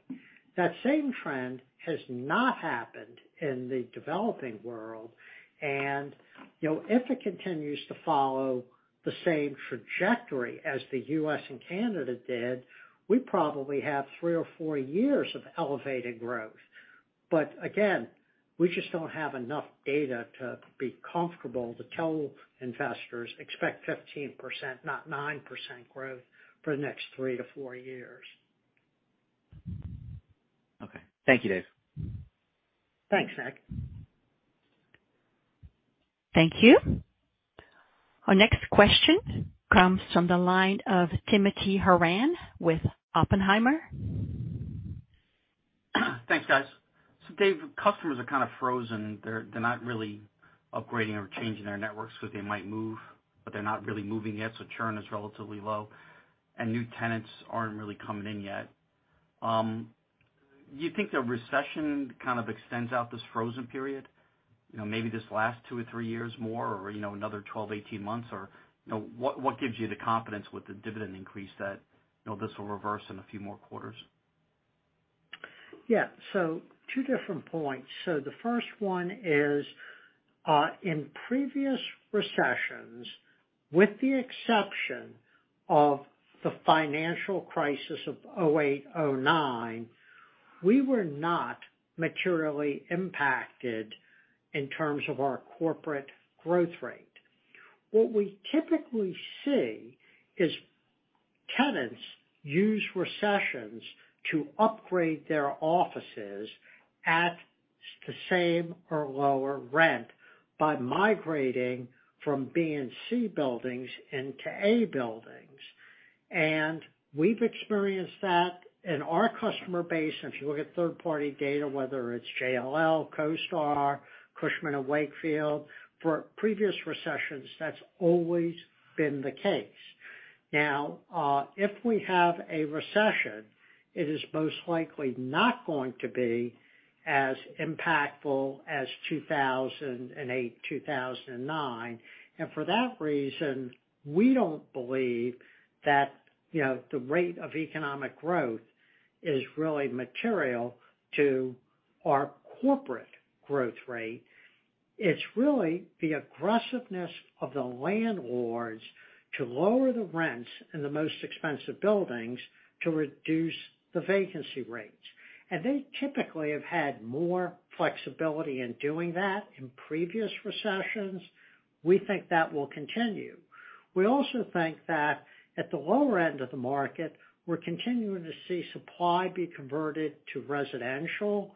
That same trend has not happened in the developing world. You know, if it continues to follow the same trajectory as the U.S. and Canada did, we probably have three or four years of elevated growth. Again, we just don't have enough data to be comfortable to tell investors expect 15%, not 9% growth for the next three-four years. Okay. Thank you, Dave. Thanks, Nick. Thank you. Our next question comes from the line of Timothy Horan with Oppenheimer. Thanks, guys. Dave, customers are kind of frozen. They're not really upgrading or changing their networks, so they might move, but they're not really moving yet, so churn is relatively low, and new tenants aren't really coming in yet. Do you think the recession kind of extends out this frozen period, you know, maybe this last two or three years more or, you know, another 12, 18 months? Or, you know, what gives you the confidence with the dividend increase that, you know, this will reverse in a few more quarters? Yeah. Two different points. The first one is, in previous recessions, with the exception of the financial crisis of 2008, 2009, we were not materially impacted in terms of our corporate growth rate. What we typically see is tenants use recessions to upgrade their offices at the same or lower rent by migrating from B and C buildings into A buildings. We've experienced that in our customer base, and if you look at third-party data, whether it's JLL, CoStar, Cushman & Wakefield for previous recessions, that's always been the case. Now, if we have a recession, it is most likely not going to be as impactful as 2008, 2009. For that reason, we don't believe that, you know, the rate of economic growth is really material to our corporate growth rate. It's really the aggressiveness of the landlords to lower the rents in the most expensive buildings to reduce the vacancy rates. They typically have had more flexibility in doing that in previous recessions. We think that will continue. We also think that at the lower end of the market, we're continuing to see supply be converted to residential.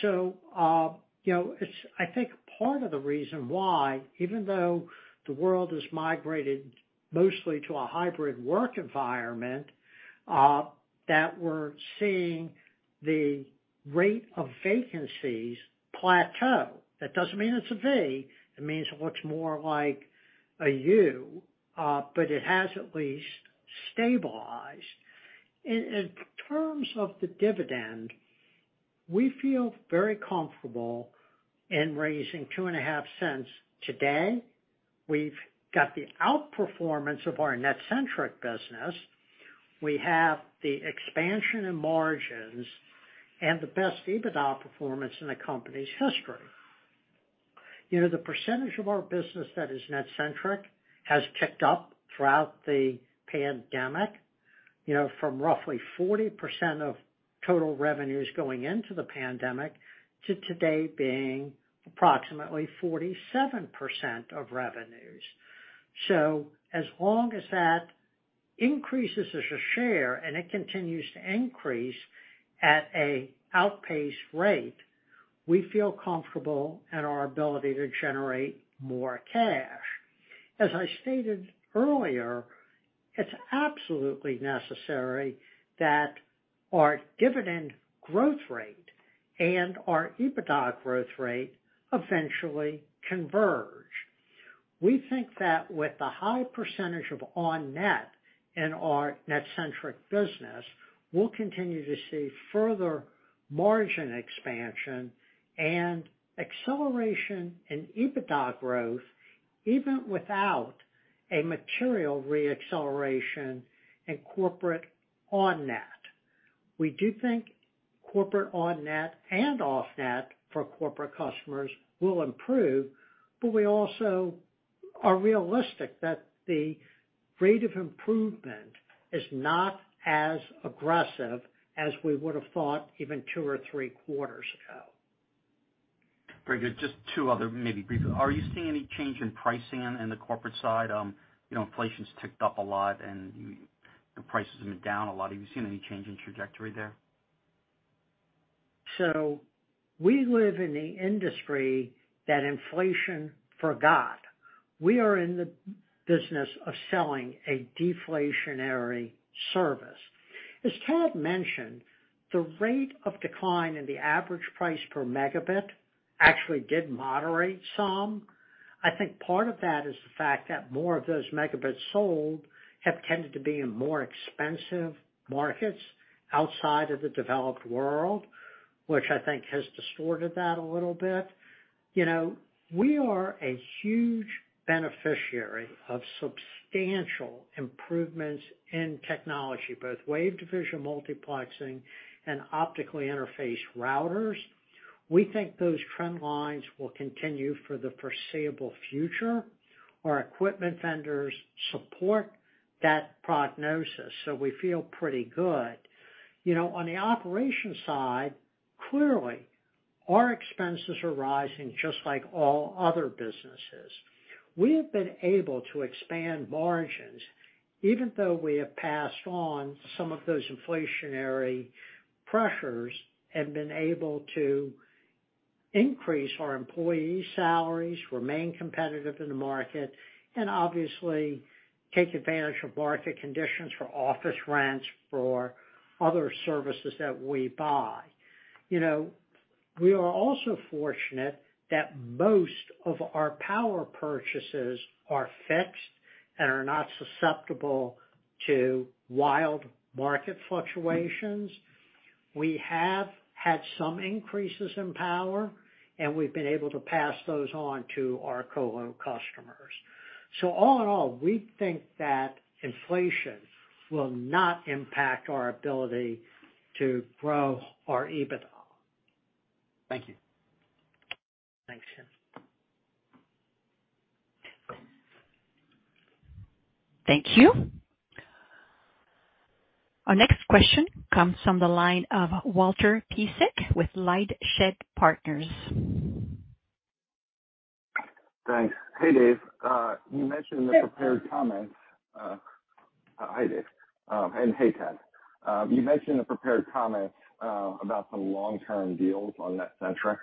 You know, it's, I think part of the reason why, even though the world has migrated mostly to a hybrid work environment, that we're seeing the rate of vacancies plateau. That doesn't mean it's a V, it means it looks more like a U, but it has at least stabilized. In terms of the dividend. We feel very comfortable in raising $0.025 today. We've got the outperformance of our NetCentric business. We have the expansion in margins and the best EBITDA performance in the company's history. You know, the percentage of our business that is NetCentric has ticked up throughout the pandemic, you know, from roughly 40% of total revenues going into the pandemic to today being approximately 47% of revenues. As long as that increases as a share and it continues to increase at a outpace rate, we feel comfortable in our ability to generate more cash. As I stated earlier, it's absolutely necessary that our dividend growth rate and our EBITDA growth rate eventually converge. We think that with the high percentage of on-net in our NetCentric business, we'll continue to see further margin expansion and acceleration in EBITDA growth, even without a material re-acceleration in corporate on-net. We do think corporate on-net and off-net for corporate customers will improve, but we also are realistic that the rate of improvement is not as aggressive as we would have thought even two or three quarters ago. Very good. Just two other, maybe briefly. Are you seeing any change in pricing on the corporate side? You know, inflation's ticked up a lot and prices have been down a lot. Have you seen any change in trajectory there? We live in an industry that inflation forgot. We are in the business of selling a deflationary service. As Tad mentioned, the rate of decline in the average price per megabit actually did moderate some. I think part of that is the fact that more of those megabits sold have tended to be in more expensive markets outside of the developed world, which I think has distorted that a little bit. You know, we are a huge beneficiary of substantial improvements in technology, both Wavelength Division Multiplexing and optical interface routers. We think those trend lines will continue for the foreseeable future. Our equipment vendors support that prognosis, so we feel pretty good. You know, on the operations side, clearly, our expenses are rising just like all other businesses. We have been able to expand margins, even though we have passed on some of those inflationary pressures, have been able to increase our employees' salaries, remain competitive in the market, and obviously take advantage of market conditions for office rents, for other services that we buy. You know, we are also fortunate that most of our power purchases are fixed and are not susceptible to wild market fluctuations. We have had some increases in power, and we've been able to pass those on to our colo customers. All in all, we think that inflation will not impact our ability to grow our EBITDA. Thank you. Thanks, Tim. Thank you. Our next question comes from the line of Walter Piecyk with LightShed Partners. Thanks. Hey, Dave. You mentioned the prepared comments. Hi, Dave. And hey, Tad. You mentioned the prepared comments about some long-term deals on NetCentric.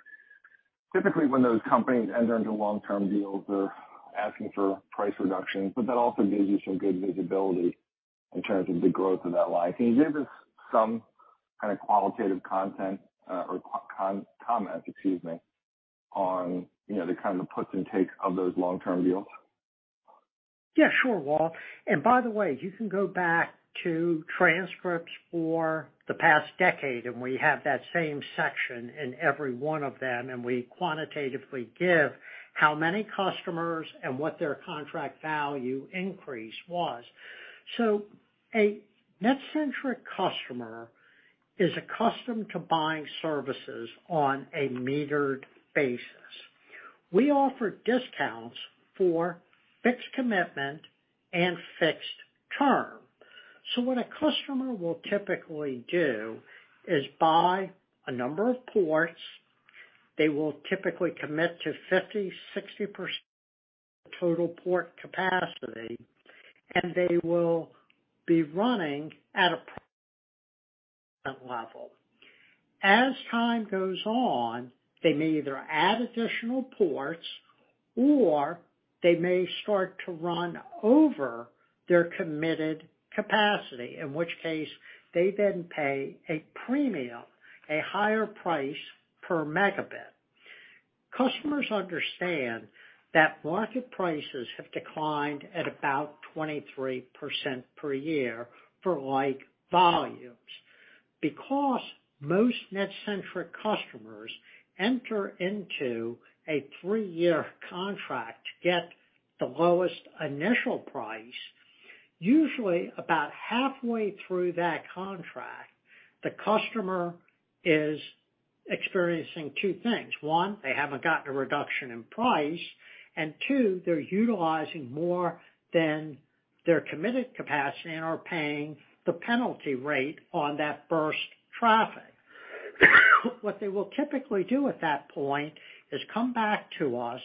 Typically, when those companies enter into long-term deals, they're asking for price reductions, but that also gives you some good visibility in terms of the growth of that line. Can you give us some kind of qualitative context or comments, excuse me, on, you know, the kind of puts and takes of those long-term deals? Yeah, sure, Walter. By the way, you can go back to transcripts for the past decade, and we have that same section in every one of them, and we quantitatively give how many customers and what their contract value increase was. A NetCentric customer is accustomed to buying services on a metered basis. We offer discounts for fixed commitment and fixed term. What a customer will typically do is buy a number of ports. They will typically commit to 50, 60% total port capacity, and they will be running at a level. As time goes on, they may either add additional ports or they may start to run over their committed capacity, in which case they then pay a premium, a higher price per megabit. Customers understand that market prices have declined at about 23% per year for like volumes. Because most NetCentric customers enter into a three-year contract to get the lowest initial price, usually about halfway through that contract, the customer is experiencing two things. One, they haven't gotten a reduction in price, and two, they're utilizing more than their committed capacity and are paying the penalty rate on that burst traffic. What they will typically do at that point is come back to us,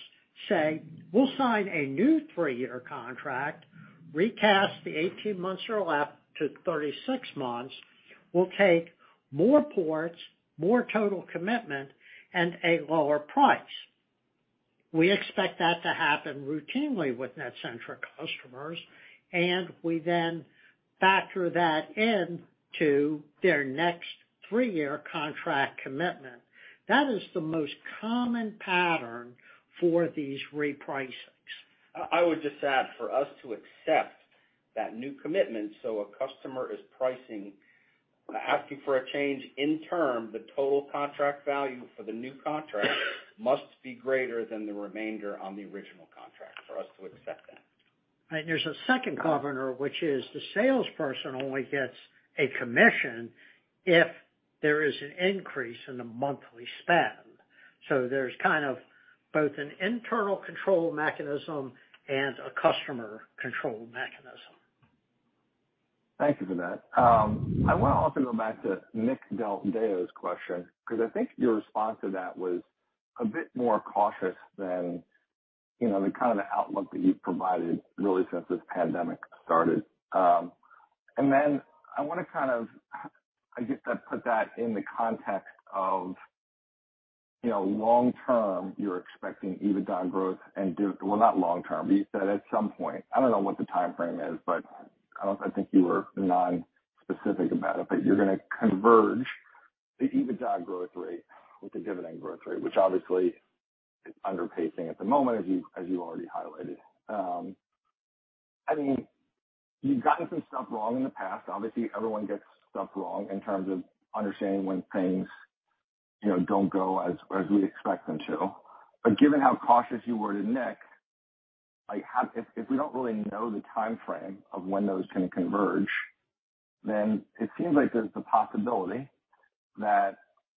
say, "We'll sign a new three-year contract, recast the 18 months or left to 36 months. We'll take more ports, more total commitment, and a lower price." We expect that to happen routinely with NetCentric customers, and we then factor that into their next three-year contract commitment. That is the most common pattern for these repricings. I would just add, for us to accept that new commitment, a customer asking for a change in term, the total contract value for the new contract must be greater than the remainder on the original contract for us to accept that. There's a second governor, which is the salesperson only gets a commission if there is an increase in the monthly spend. There's kind of both an internal control mechanism and a customer control mechanism. Thank you for that. I wanna also go back to Nick Del Deo's question, 'cause I think your response to that was a bit more cautious than, you know, the kind of outlook that you've provided really since this pandemic started. I wanna kind of I guess put that in the context of, you know, long term, you're expecting EBITDA growth. Well, not long term. You said at some point. I don't know what the timeframe is, but I don't think you were specific about it, but you're gonna converge the EBITDA growth rate with the dividend growth rate, which obviously is underpacing at the moment, as you already highlighted. I mean, you've gotten some stuff wrong in the past. Obviously, everyone gets stuff wrong in terms of understanding when things, you know, don't go as we expect them to. Given how cautious you were to Nick, like, if we don't really know the timeframe of when those can converge, then it seems like there's the possibility that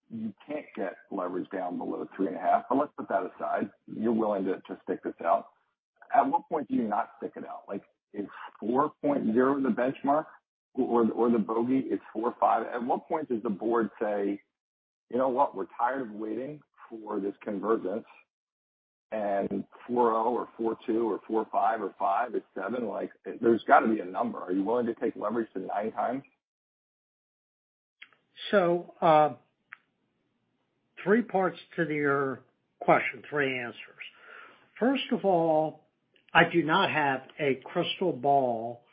you can't get leverage down below 3.5. Let's put that aside. You're willing to stick this out. At what point do you not stick it out? Like, is 4.0 the benchmark or the bogey? It's four or five. At what point does the board say, "You know what? We're tired of waiting for this convergence," and 4.0 or 4.2 or 4.5 or five, it's seven. Like, there's gotta be a number. Are you willing to take leverage to 9x? three parts to your question, three answers. First of all, I do not have a crystal ball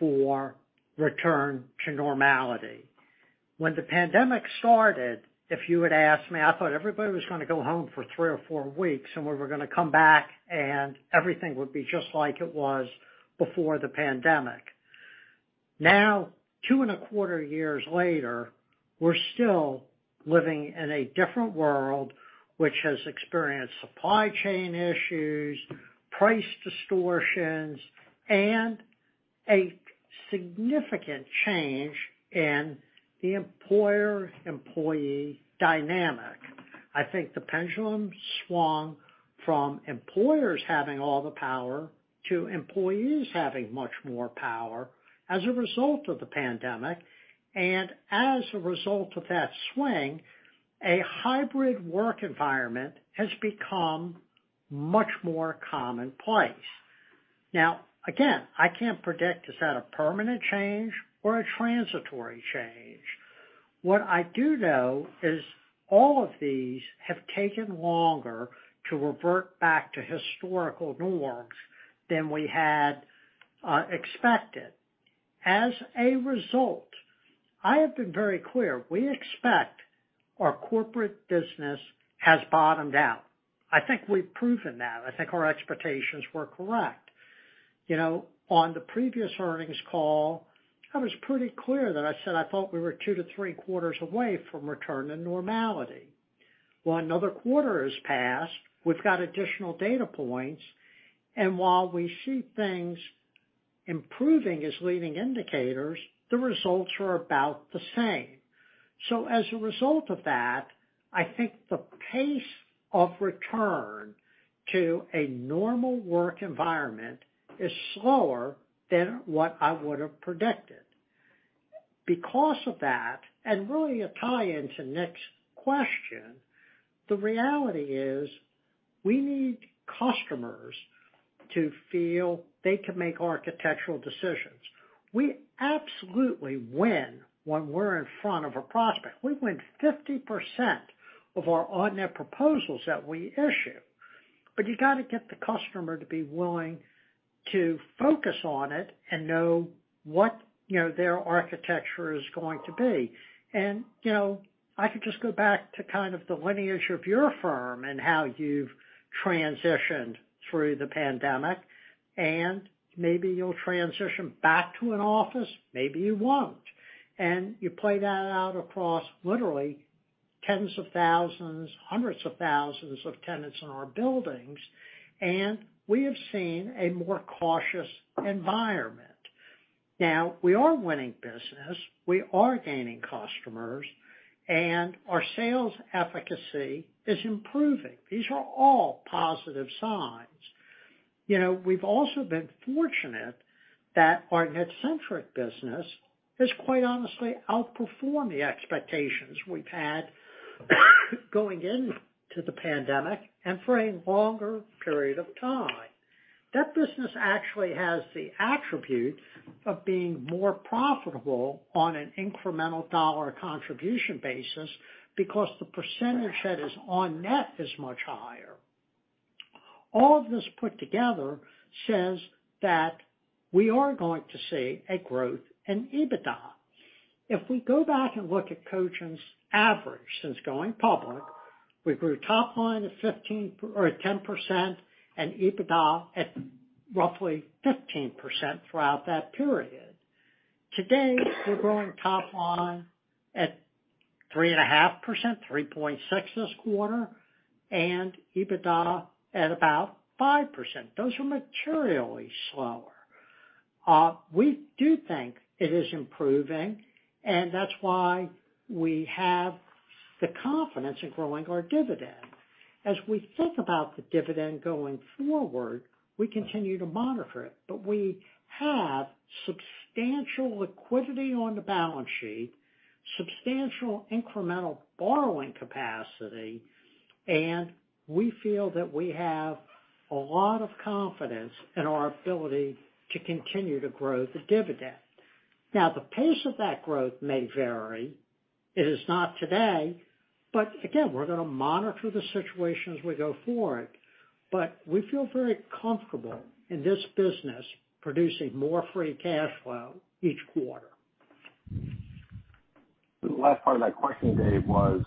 for return to normality. When the pandemic started, if you would ask me, I thought everybody was gonna go home for three or four weeks, and we were gonna come back and everything would be just like it was before the pandemic. Now, 2.25 years later, we're still living in a different world, which has experienced supply chain issues, price distortions, and a significant change in the employer-employee dynamic. I think the pendulum swung from employers having all the power to employees having much more power as a result of the pandemic. As a result of that swing, a hybrid work environment has become much more commonplace. Now, again, I can't predict, is that a permanent change or a transitory change? What I do know is all of these have taken longer to revert back to historical norms than we had expected. As a result, I have been very clear, we expect our corporate business has bottomed out. I think we've proven that. I think our expectations were correct. You know, on the previous earnings call, I was pretty clear that I said I thought we were 2-3 quarters away from return to normality. Well, another quarter has passed. We've got additional data points, and while we see things improving as leading indicators, the results are about the same. So as a result of that, I think the pace of return to a normal work environment is slower than what I would have predicted. Because of that, and really a tie into Nick's question, the reality is we need customers to feel they can make architectural decisions. We absolutely win when we're in front of a prospect. We win 50% of our on-net proposals that we issue. You got to get the customer to be willing to focus on it and know what, you know, their architecture is going to be. You know, I could just go back to kind of the lineage of your firm and how you've transitioned through the pandemic, and maybe you'll transition back to an office, maybe you won't. You play that out across literally tens of thousands, hundreds of thousands of tenants in our buildings, and we have seen a more cautious environment. Now, we are winning business, we are gaining customers, and our sales efficacy is improving. These are all positive signs. You know, we've also been fortunate that our NetCentric business has quite honestly outperformed the expectations we've had going into the pandemic and for a longer period of time. That business actually has the attribute of being more profitable on an incremental dollar contribution basis because the percentage that is on-net is much higher. All of this put together says that we are going to see a growth in EBITDA. If we go back and look at Cogent's average since going public, we grew top line 10% and EBITDA at roughly 15% throughout that period. Today, we're growing top line at 3.5%, 3.6% this quarter, and EBITDA at about 5%. Those are materially slower. We do think it is improving, and that's why we have the confidence in growing our dividend. As we think about the dividend going forward, we continue to monitor it. We have substantial liquidity on the balance sheet, substantial incremental borrowing capacity, and we feel that we have a lot of confidence in our ability to continue to grow the dividend. Now, the pace of that growth may vary. It is not today, but again, we're gonna monitor the situation as we go forward. We feel very comfortable in this business producing more free cash flow each quarter. The last part of that question, Dave, was,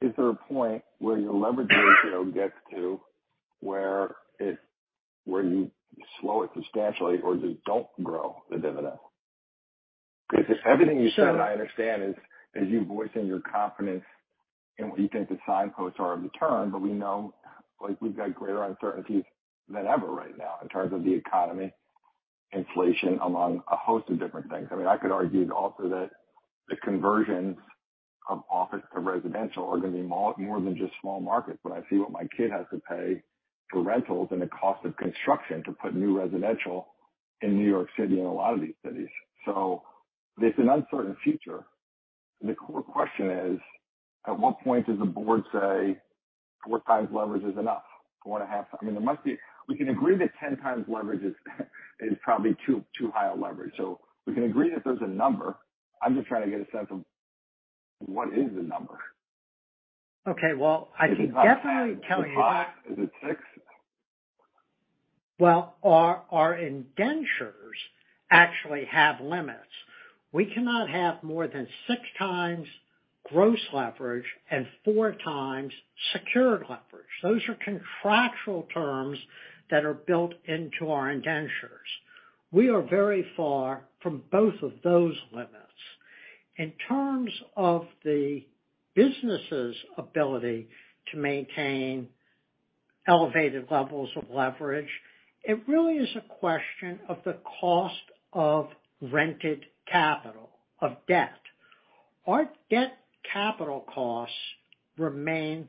is there a point where your leverage ratio gets to where you slow it substantially or just don't grow the dividend? Because everything you said, I understand, is you voicing your confidence in what you think the signposts are of the turn, but we know, like, we've got greater uncertainties than ever right now in terms of the economy, inflation, among a host of different things. I mean, I could argue also that the conversions of office to residential are gonna be more than just small markets when I see what my kid has to pay for rentals and the cost of construction to put new residential in New York City and a lot of these cities. It's an uncertain future. The core question is, at what point does the board say 4x leverage is enough? 4.5? I mean, there must be. We can agree that 10x leverage is probably too high a leverage. We can agree that there's a number. I'm just trying to get a sense of what is the number. Okay. Well, I can definitely tell you. Is it five? Is it six? Well, our indentures actually have limits. We cannot have more than 6x gross leverage and 4x secured leverage. Those are contractual terms that are built into our indentures. We are very far from both of those limits. In terms of the business's ability to maintain elevated levels of leverage, it really is a question of the cost of rented capital, of debt. Our debt capital costs remain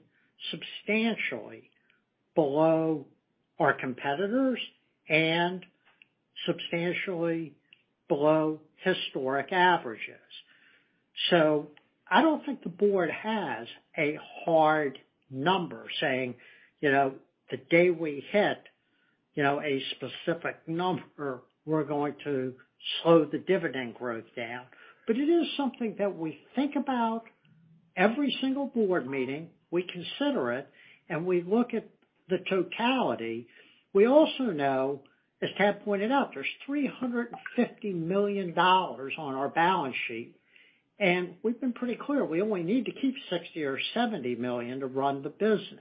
substantially below our competitors and substantially below historic averages. I don't think the board has a hard number saying, you know, the day we hit, you know, a specific number, we're going to slow the dividend growth down. It is something that we think about every single board meeting. We consider it, and we look at the totality. We also know, as Tad pointed out, there's $350 million on our balance sheet, and we've been pretty clear we only need to keep $60 million or $70 million to run the business.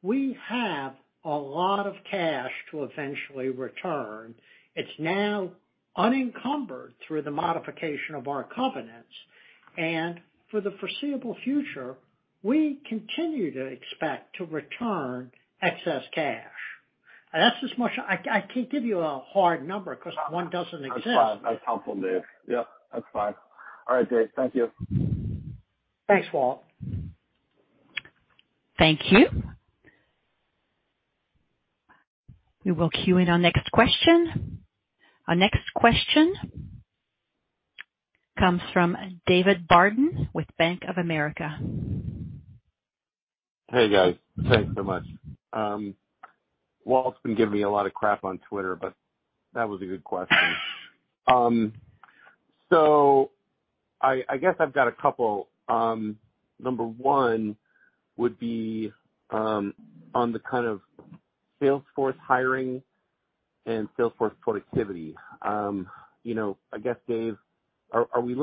We have a lot of cash to eventually return. It's now unencumbered through the modification of our covenants. For the foreseeable future, we continue to expect to return excess cash. That's as much. I can't give you a hard number 'cause one doesn't exist. That's fine. That's helpful, Dave. Yep, that's fine. All right, Dave. Thank you. Thanks, Walter. Thank you. We will queue in our next question. Our next question comes from David Barden with Bank of America. Hey, guys. Thanks so much. Walt's been giving me a lot of crap on Twitter, but that was a good question. I guess I've got a couple. Number one would be on the kind of sales force hiring and sales force productivity. You know, I guess, Dave, are we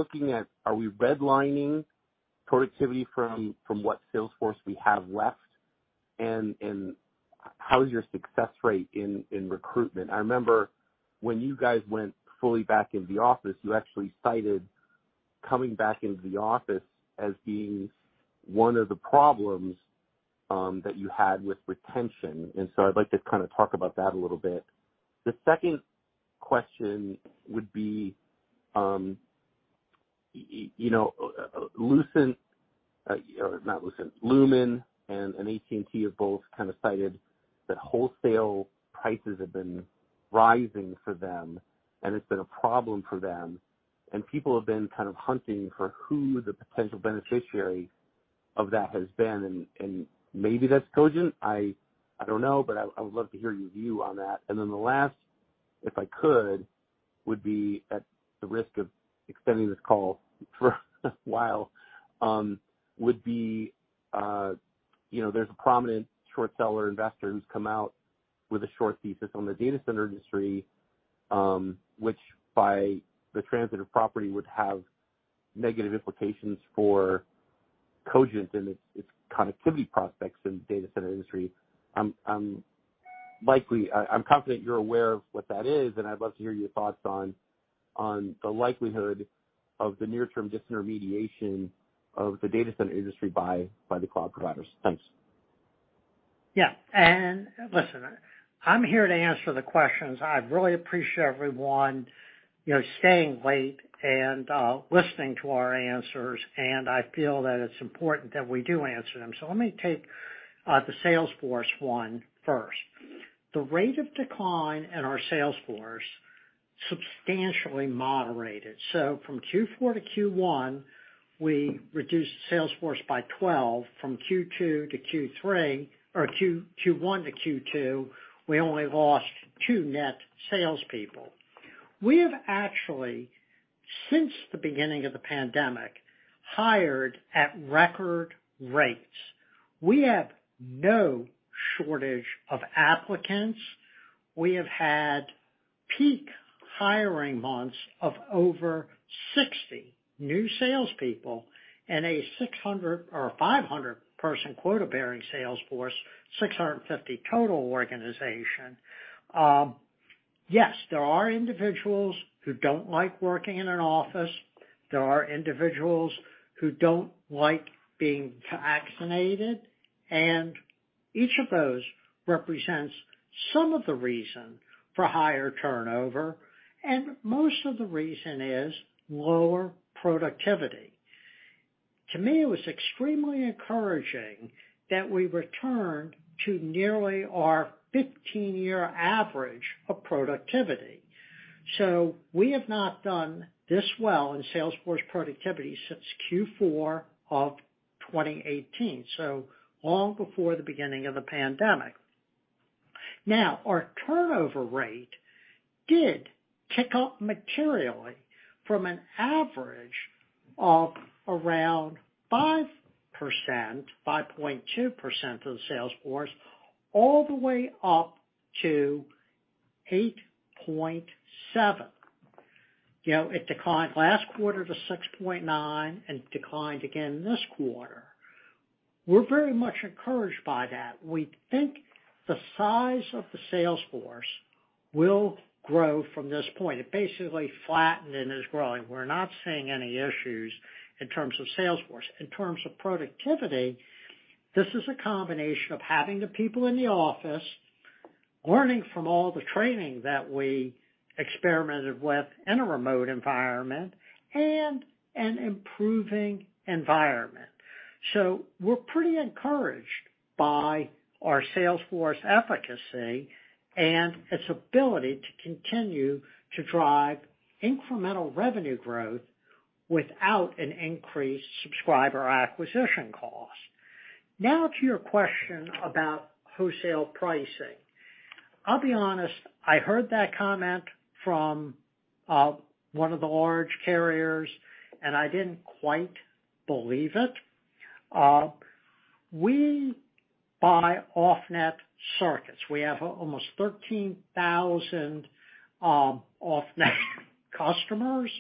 redlining productivity from what sales force we have left? And how is your success rate in recruitment? I remember when you guys went fully back into the office, you actually cited coming back into the office as being one of the problems that you had with retention. I'd like to kinda talk about that a little bit. The second question would be, you know, Lumen, or not Lumen, and AT&T have both kind of cited that wholesale prices have been rising for them, and it's been a problem for them, and people have been kind of hunting for who the potential beneficiary of that has been. Maybe that's Cogent, I don't know, but I would love to hear your view on that. The last, if I could, would be at the risk of extending this call for a while, you know, there's a prominent short seller investor who's come out with a short thesis on the data center industry, which by the transitive property would have negative implications for Cogent and its connectivity prospects in data center industry. I'm confident you're aware of what that is, and I'd love to hear your thoughts on the likelihood of the near-term disintermediation of the data center industry by the cloud providers. Thanks. Yeah. Listen, I'm here to answer the questions. I really appreciate everyone, you know, staying late and listening to our answers, and I feel that it's important that we do answer them. Let me take the sales force one first. The rate of decline in our sales force substantially moderated. From Q4 to Q1, we reduced the sales force by 12. From Q2 to Q3, or Q1 to Q2, we only lost two net salespeople. We have actually, since the beginning of the pandemic, hired at record rates. We have no shortage of applicants. We have had peak hiring months of over 60 new salespeople in a 600 or 500 person quota-bearing sales force, 650 total organization. Yes, there are individuals who don't like working in an office. There are individuals who don't like being vaccinated, and each of those represents some of the reason for higher turnover, and most of the reason is lower productivity. To me, it was extremely encouraging that we returned to nearly our 15-year average of productivity. We have not done this well in sales force productivity since Q4 of 2018. Long before the beginning of the pandemic. Now, our turnover rate did tick up materially from an average of around 5%, 5.2% of the sales force, all the way up to 8.7%. You know, it declined last quarter to 6.9% and declined again this quarter. We're very much encouraged by that. We think the size of the sales force will grow from this point. It basically flattened and is growing. We're not seeing any issues in terms of sales force. In terms of productivity, this is a combination of having the people in the office, learning from all the training that we experimented with in a remote environment, and an improving environment. We're pretty encouraged by our sales force efficacy and its ability to continue to drive incremental revenue growth without an increased subscriber acquisition cost. Now to your question about wholesale pricing. I'll be honest, I heard that comment from one of the large carriers, and I didn't quite believe it. We buy off-net circuits. We have almost 13,000 off-net customers,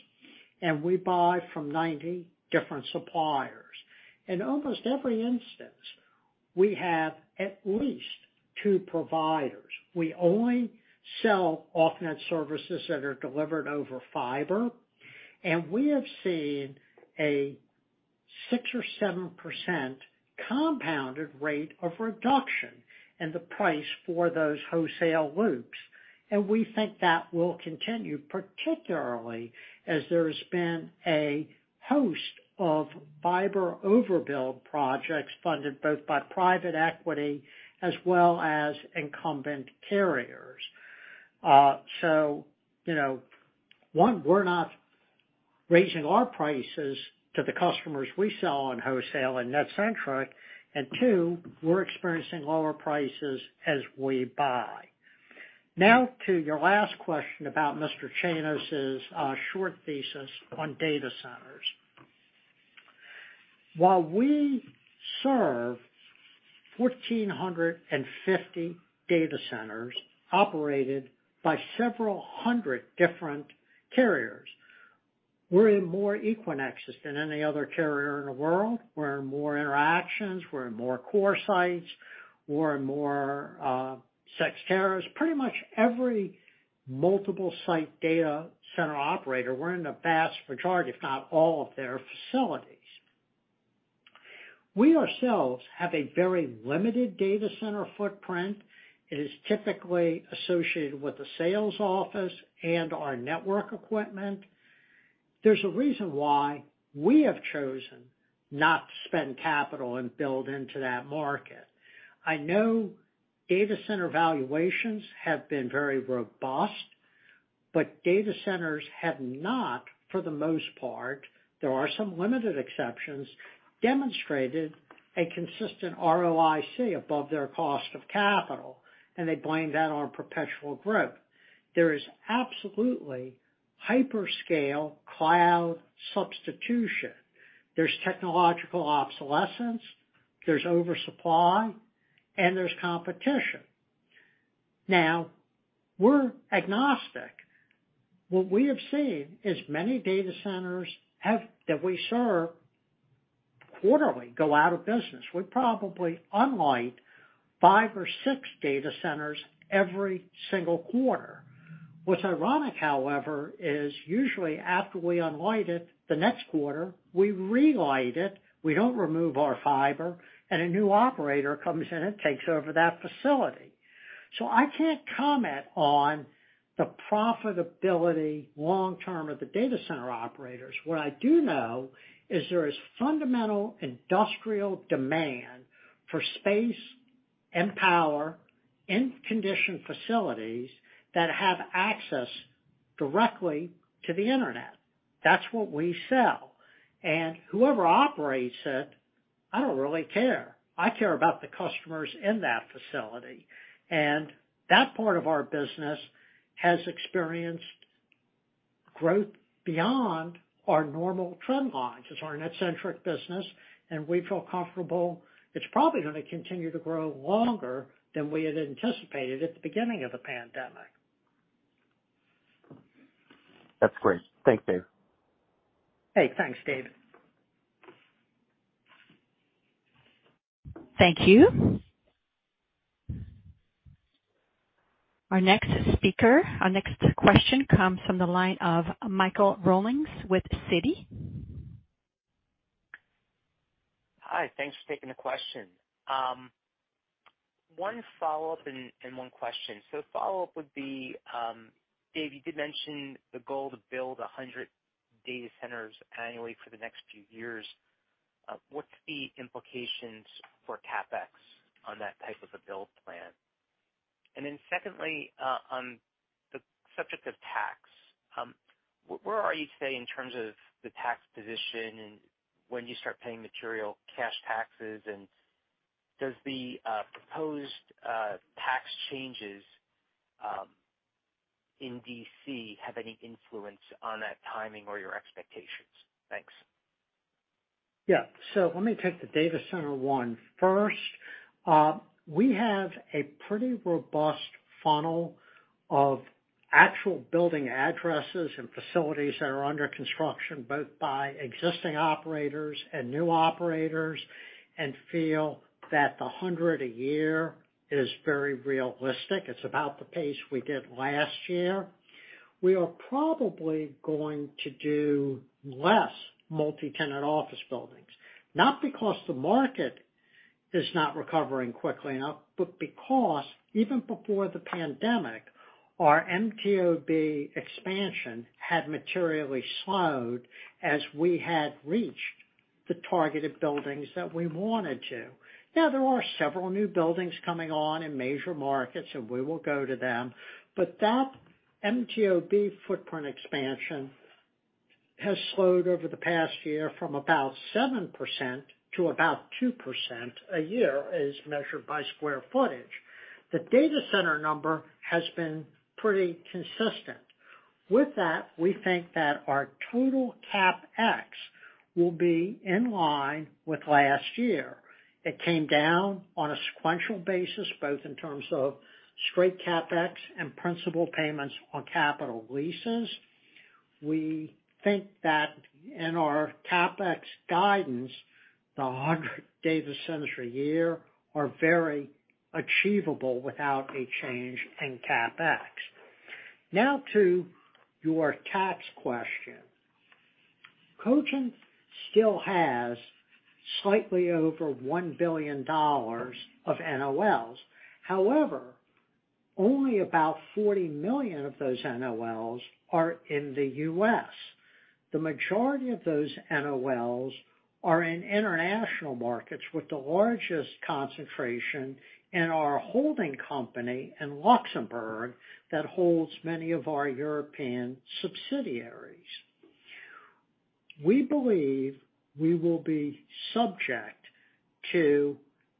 and we buy from 90 different suppliers. In almost every instance, we have at least two providers. We only sell off-net services that are delivered over fiber, and we have seen a 6%-7% compounded rate of reduction in the price for those wholesale loops. We think that will continue, particularly as there's been a host of fiber overbuild projects funded both by private equity as well as incumbent carriers. One, we're not raising our prices to the customers we sell on wholesale and NetCentric. Two, we're experiencing lower prices as we buy. Now to your last question about Mr. Chanos's short thesis on data centers. While we serve 1,450 data centers operated by several hundred different carriers, we're in more Equinix than any other carrier in the world. We're in more Interxion. We're in more CoreSite. We're in more CyrusOne. Pretty much every multiple site data center operator, we're in the vast majority, if not all of their facilities. We ourselves have a very limited data center footprint. It is typically associated with the sales office and our network equipment. There's a reason why we have chosen not to spend capital and build into that market. I know data center valuations have been very robust, but data centers have not, for the most part, demonstrated a consistent ROIC above their cost of capital. There are some limited exceptions, and they blame that on perpetual growth. There is absolutely hyperscale cloud substitution. There's technological obsolescence, there's oversupply, and there's competition. Now we're agnostic. What we have seen is many data centers that we serve quarterly go out of business. We probably unlight five or six data centers every single quarter. What's ironic, however, is usually after we unlight it, the next quarter, we relight it. We don't remove our fiber, and a new operator comes in and takes over that facility. I can't comment on the profitability long term of the data center operators. What I do know is there is fundamental industrial demand for space and power in conditioned facilities that have access directly to the Internet. That's what we sell. Whoever operates it, I don't really care. I care about the customers in that facility. That part of our business has experienced growth beyond our normal trend lines. It's our net-centric business, and we feel comfortable. It's probably going to continue to grow longer than we had anticipated at the beginning of the pandemic. That's great. Thanks, Dave. Hey, thanks, David. Thank you. Our next question comes from the line of Michael Rollins with Citi. Hi. Thanks for taking the question. One follow-up and one question. Follow-up would be, Dave, you did mention the goal to build 100 data centers annually for the next few years. What's the implications for CapEx on that type of a build plan? And then secondly, on the subject of tax, where are you today in terms of the tax position and when do you start paying material cash taxes? And does the proposed tax changes in D.C. have any influence on that timing or your expectations? Thanks. Yeah. Let me take the data center one first. We have a pretty robust funnel of actual building addresses and facilities that are under construction, both by existing operators and new operators, and feel that the 100 a year is very realistic. It's about the pace we did last year. We are probably going to do less multi-tenant office buildings, not because the market is not recovering quickly enough, but because even before the pandemic, our MTOB expansion had materially slowed as we had reached the targeted buildings that we wanted to. Now, there are several new buildings coming on in major markets, and we will go to them, but that MTOB footprint expansion has slowed over the past year from about 7% to about 2% a year, as measured by square footage. The data center number has been pretty consistent. With that, we think that our total CapEx will be in line with last year. It came down on a sequential basis, both in terms of straight CapEx and principal payments on capital leases. We think that in our CapEx guidance, the 100 data centers a year are very achievable without a change in CapEx. Now to your tax question. Cogent still has slightly over $1 billion of NOLs. However, only about $40 million of those NOLs are in the U.S. The majority of those NOLs are in international markets, with the largest concentration in our holding company in Luxembourg that holds many of our European subsidiaries. We believe we will be subject to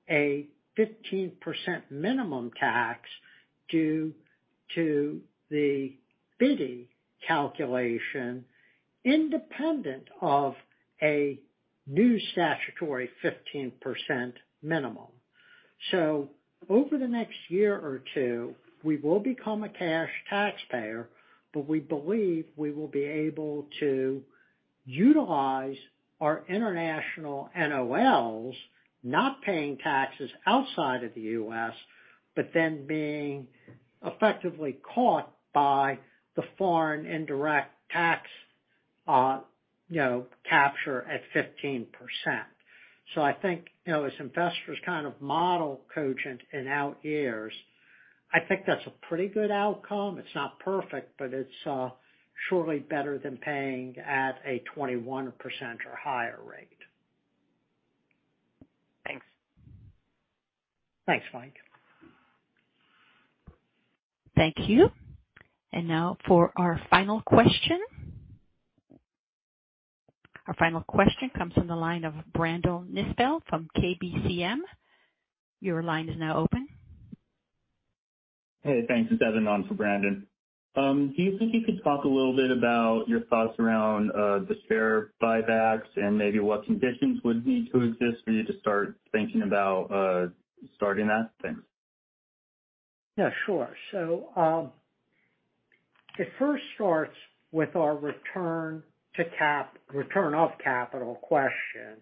a 15% minimum tax due to the BEAT calculation independent of a new statutory 15% minimum. Over the next year or two, we will become a cash taxpayer, but we believe we will be able to utilize our international NOLs, not paying taxes outside of the U.S., but then being effectively caught by the foreign indirect tax, you know, capture at 15%. I think, you know, as investors kind of model Cogent in out years, I think that's a pretty good outcome. It's not perfect, but it's surely better than paying at a 21% or higher rate. Thanks. Thanks, Michael. Thank you. Now for our final question. Our final question comes from the line of Brandon Nispel from KBCM. Your line is now open. Hey, thanks. It's Evan on for Brandon. Do you think you could talk a little bit about your thoughts around the share buybacks and maybe what conditions would need to exist for you to start thinking about starting that? Thanks. Yeah, sure. It first starts with our return of capital question,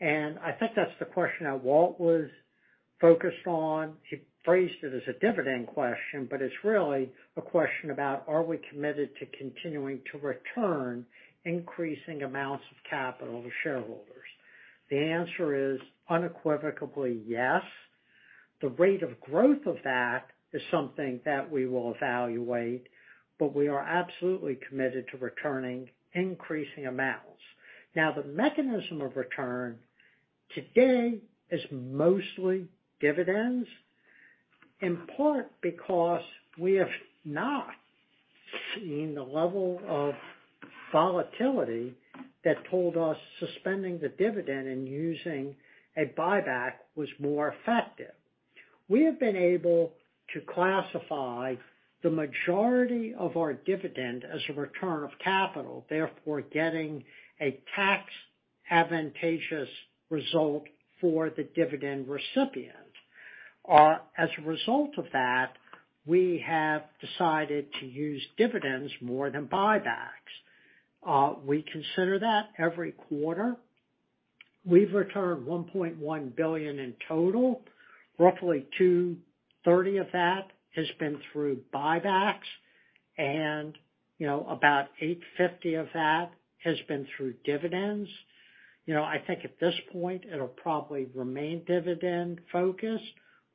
and I think that's the question that Walt was focused on. He phrased it as a dividend question, but it's really a question about are we committed to continuing to return increasing amounts of capital to shareholders? The answer is unequivocally, yes. The rate of growth of that is something that we will evaluate, but we are absolutely committed to returning increasing amounts. Now, the mechanism of return today is mostly dividends, in part because we have not seen the level of volatility that told us suspending the dividend and using a buyback was more effective. We have been able to classify the majority of our dividend as a return of capital, therefore getting a tax advantageous result for the dividend recipient. As a result of that, we have decided to use dividends more than buybacks. We consider that every quarter. We've returned $1.1 billion in total. Roughly $230 million of that has been through buybacks and, you know, about $850 million of that has been through dividends. You know, I think at this point it'll probably remain dividend-focused,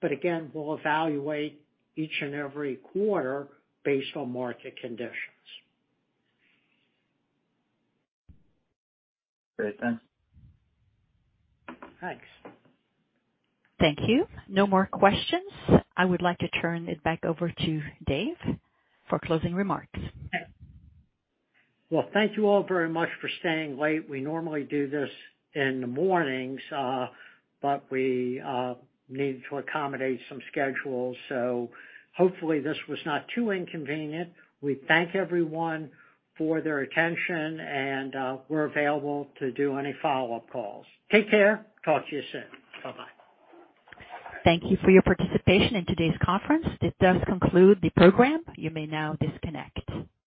but again, we'll evaluate each and every quarter based on market conditions. Great. Thanks. Thanks. Thank you. No more questions. I would like to turn it back over to Dave for closing remarks. Well, thank you all very much for staying late. We normally do this in the mornings, but we needed to accommodate some schedules, so hopefully this was not too inconvenient. We thank everyone for their attention, and we're available to do any follow-up calls. Take care. Talk to you soon. Bye-bye. Thank you for your participation in today's conference. This does conclude the program. You may now disconnect.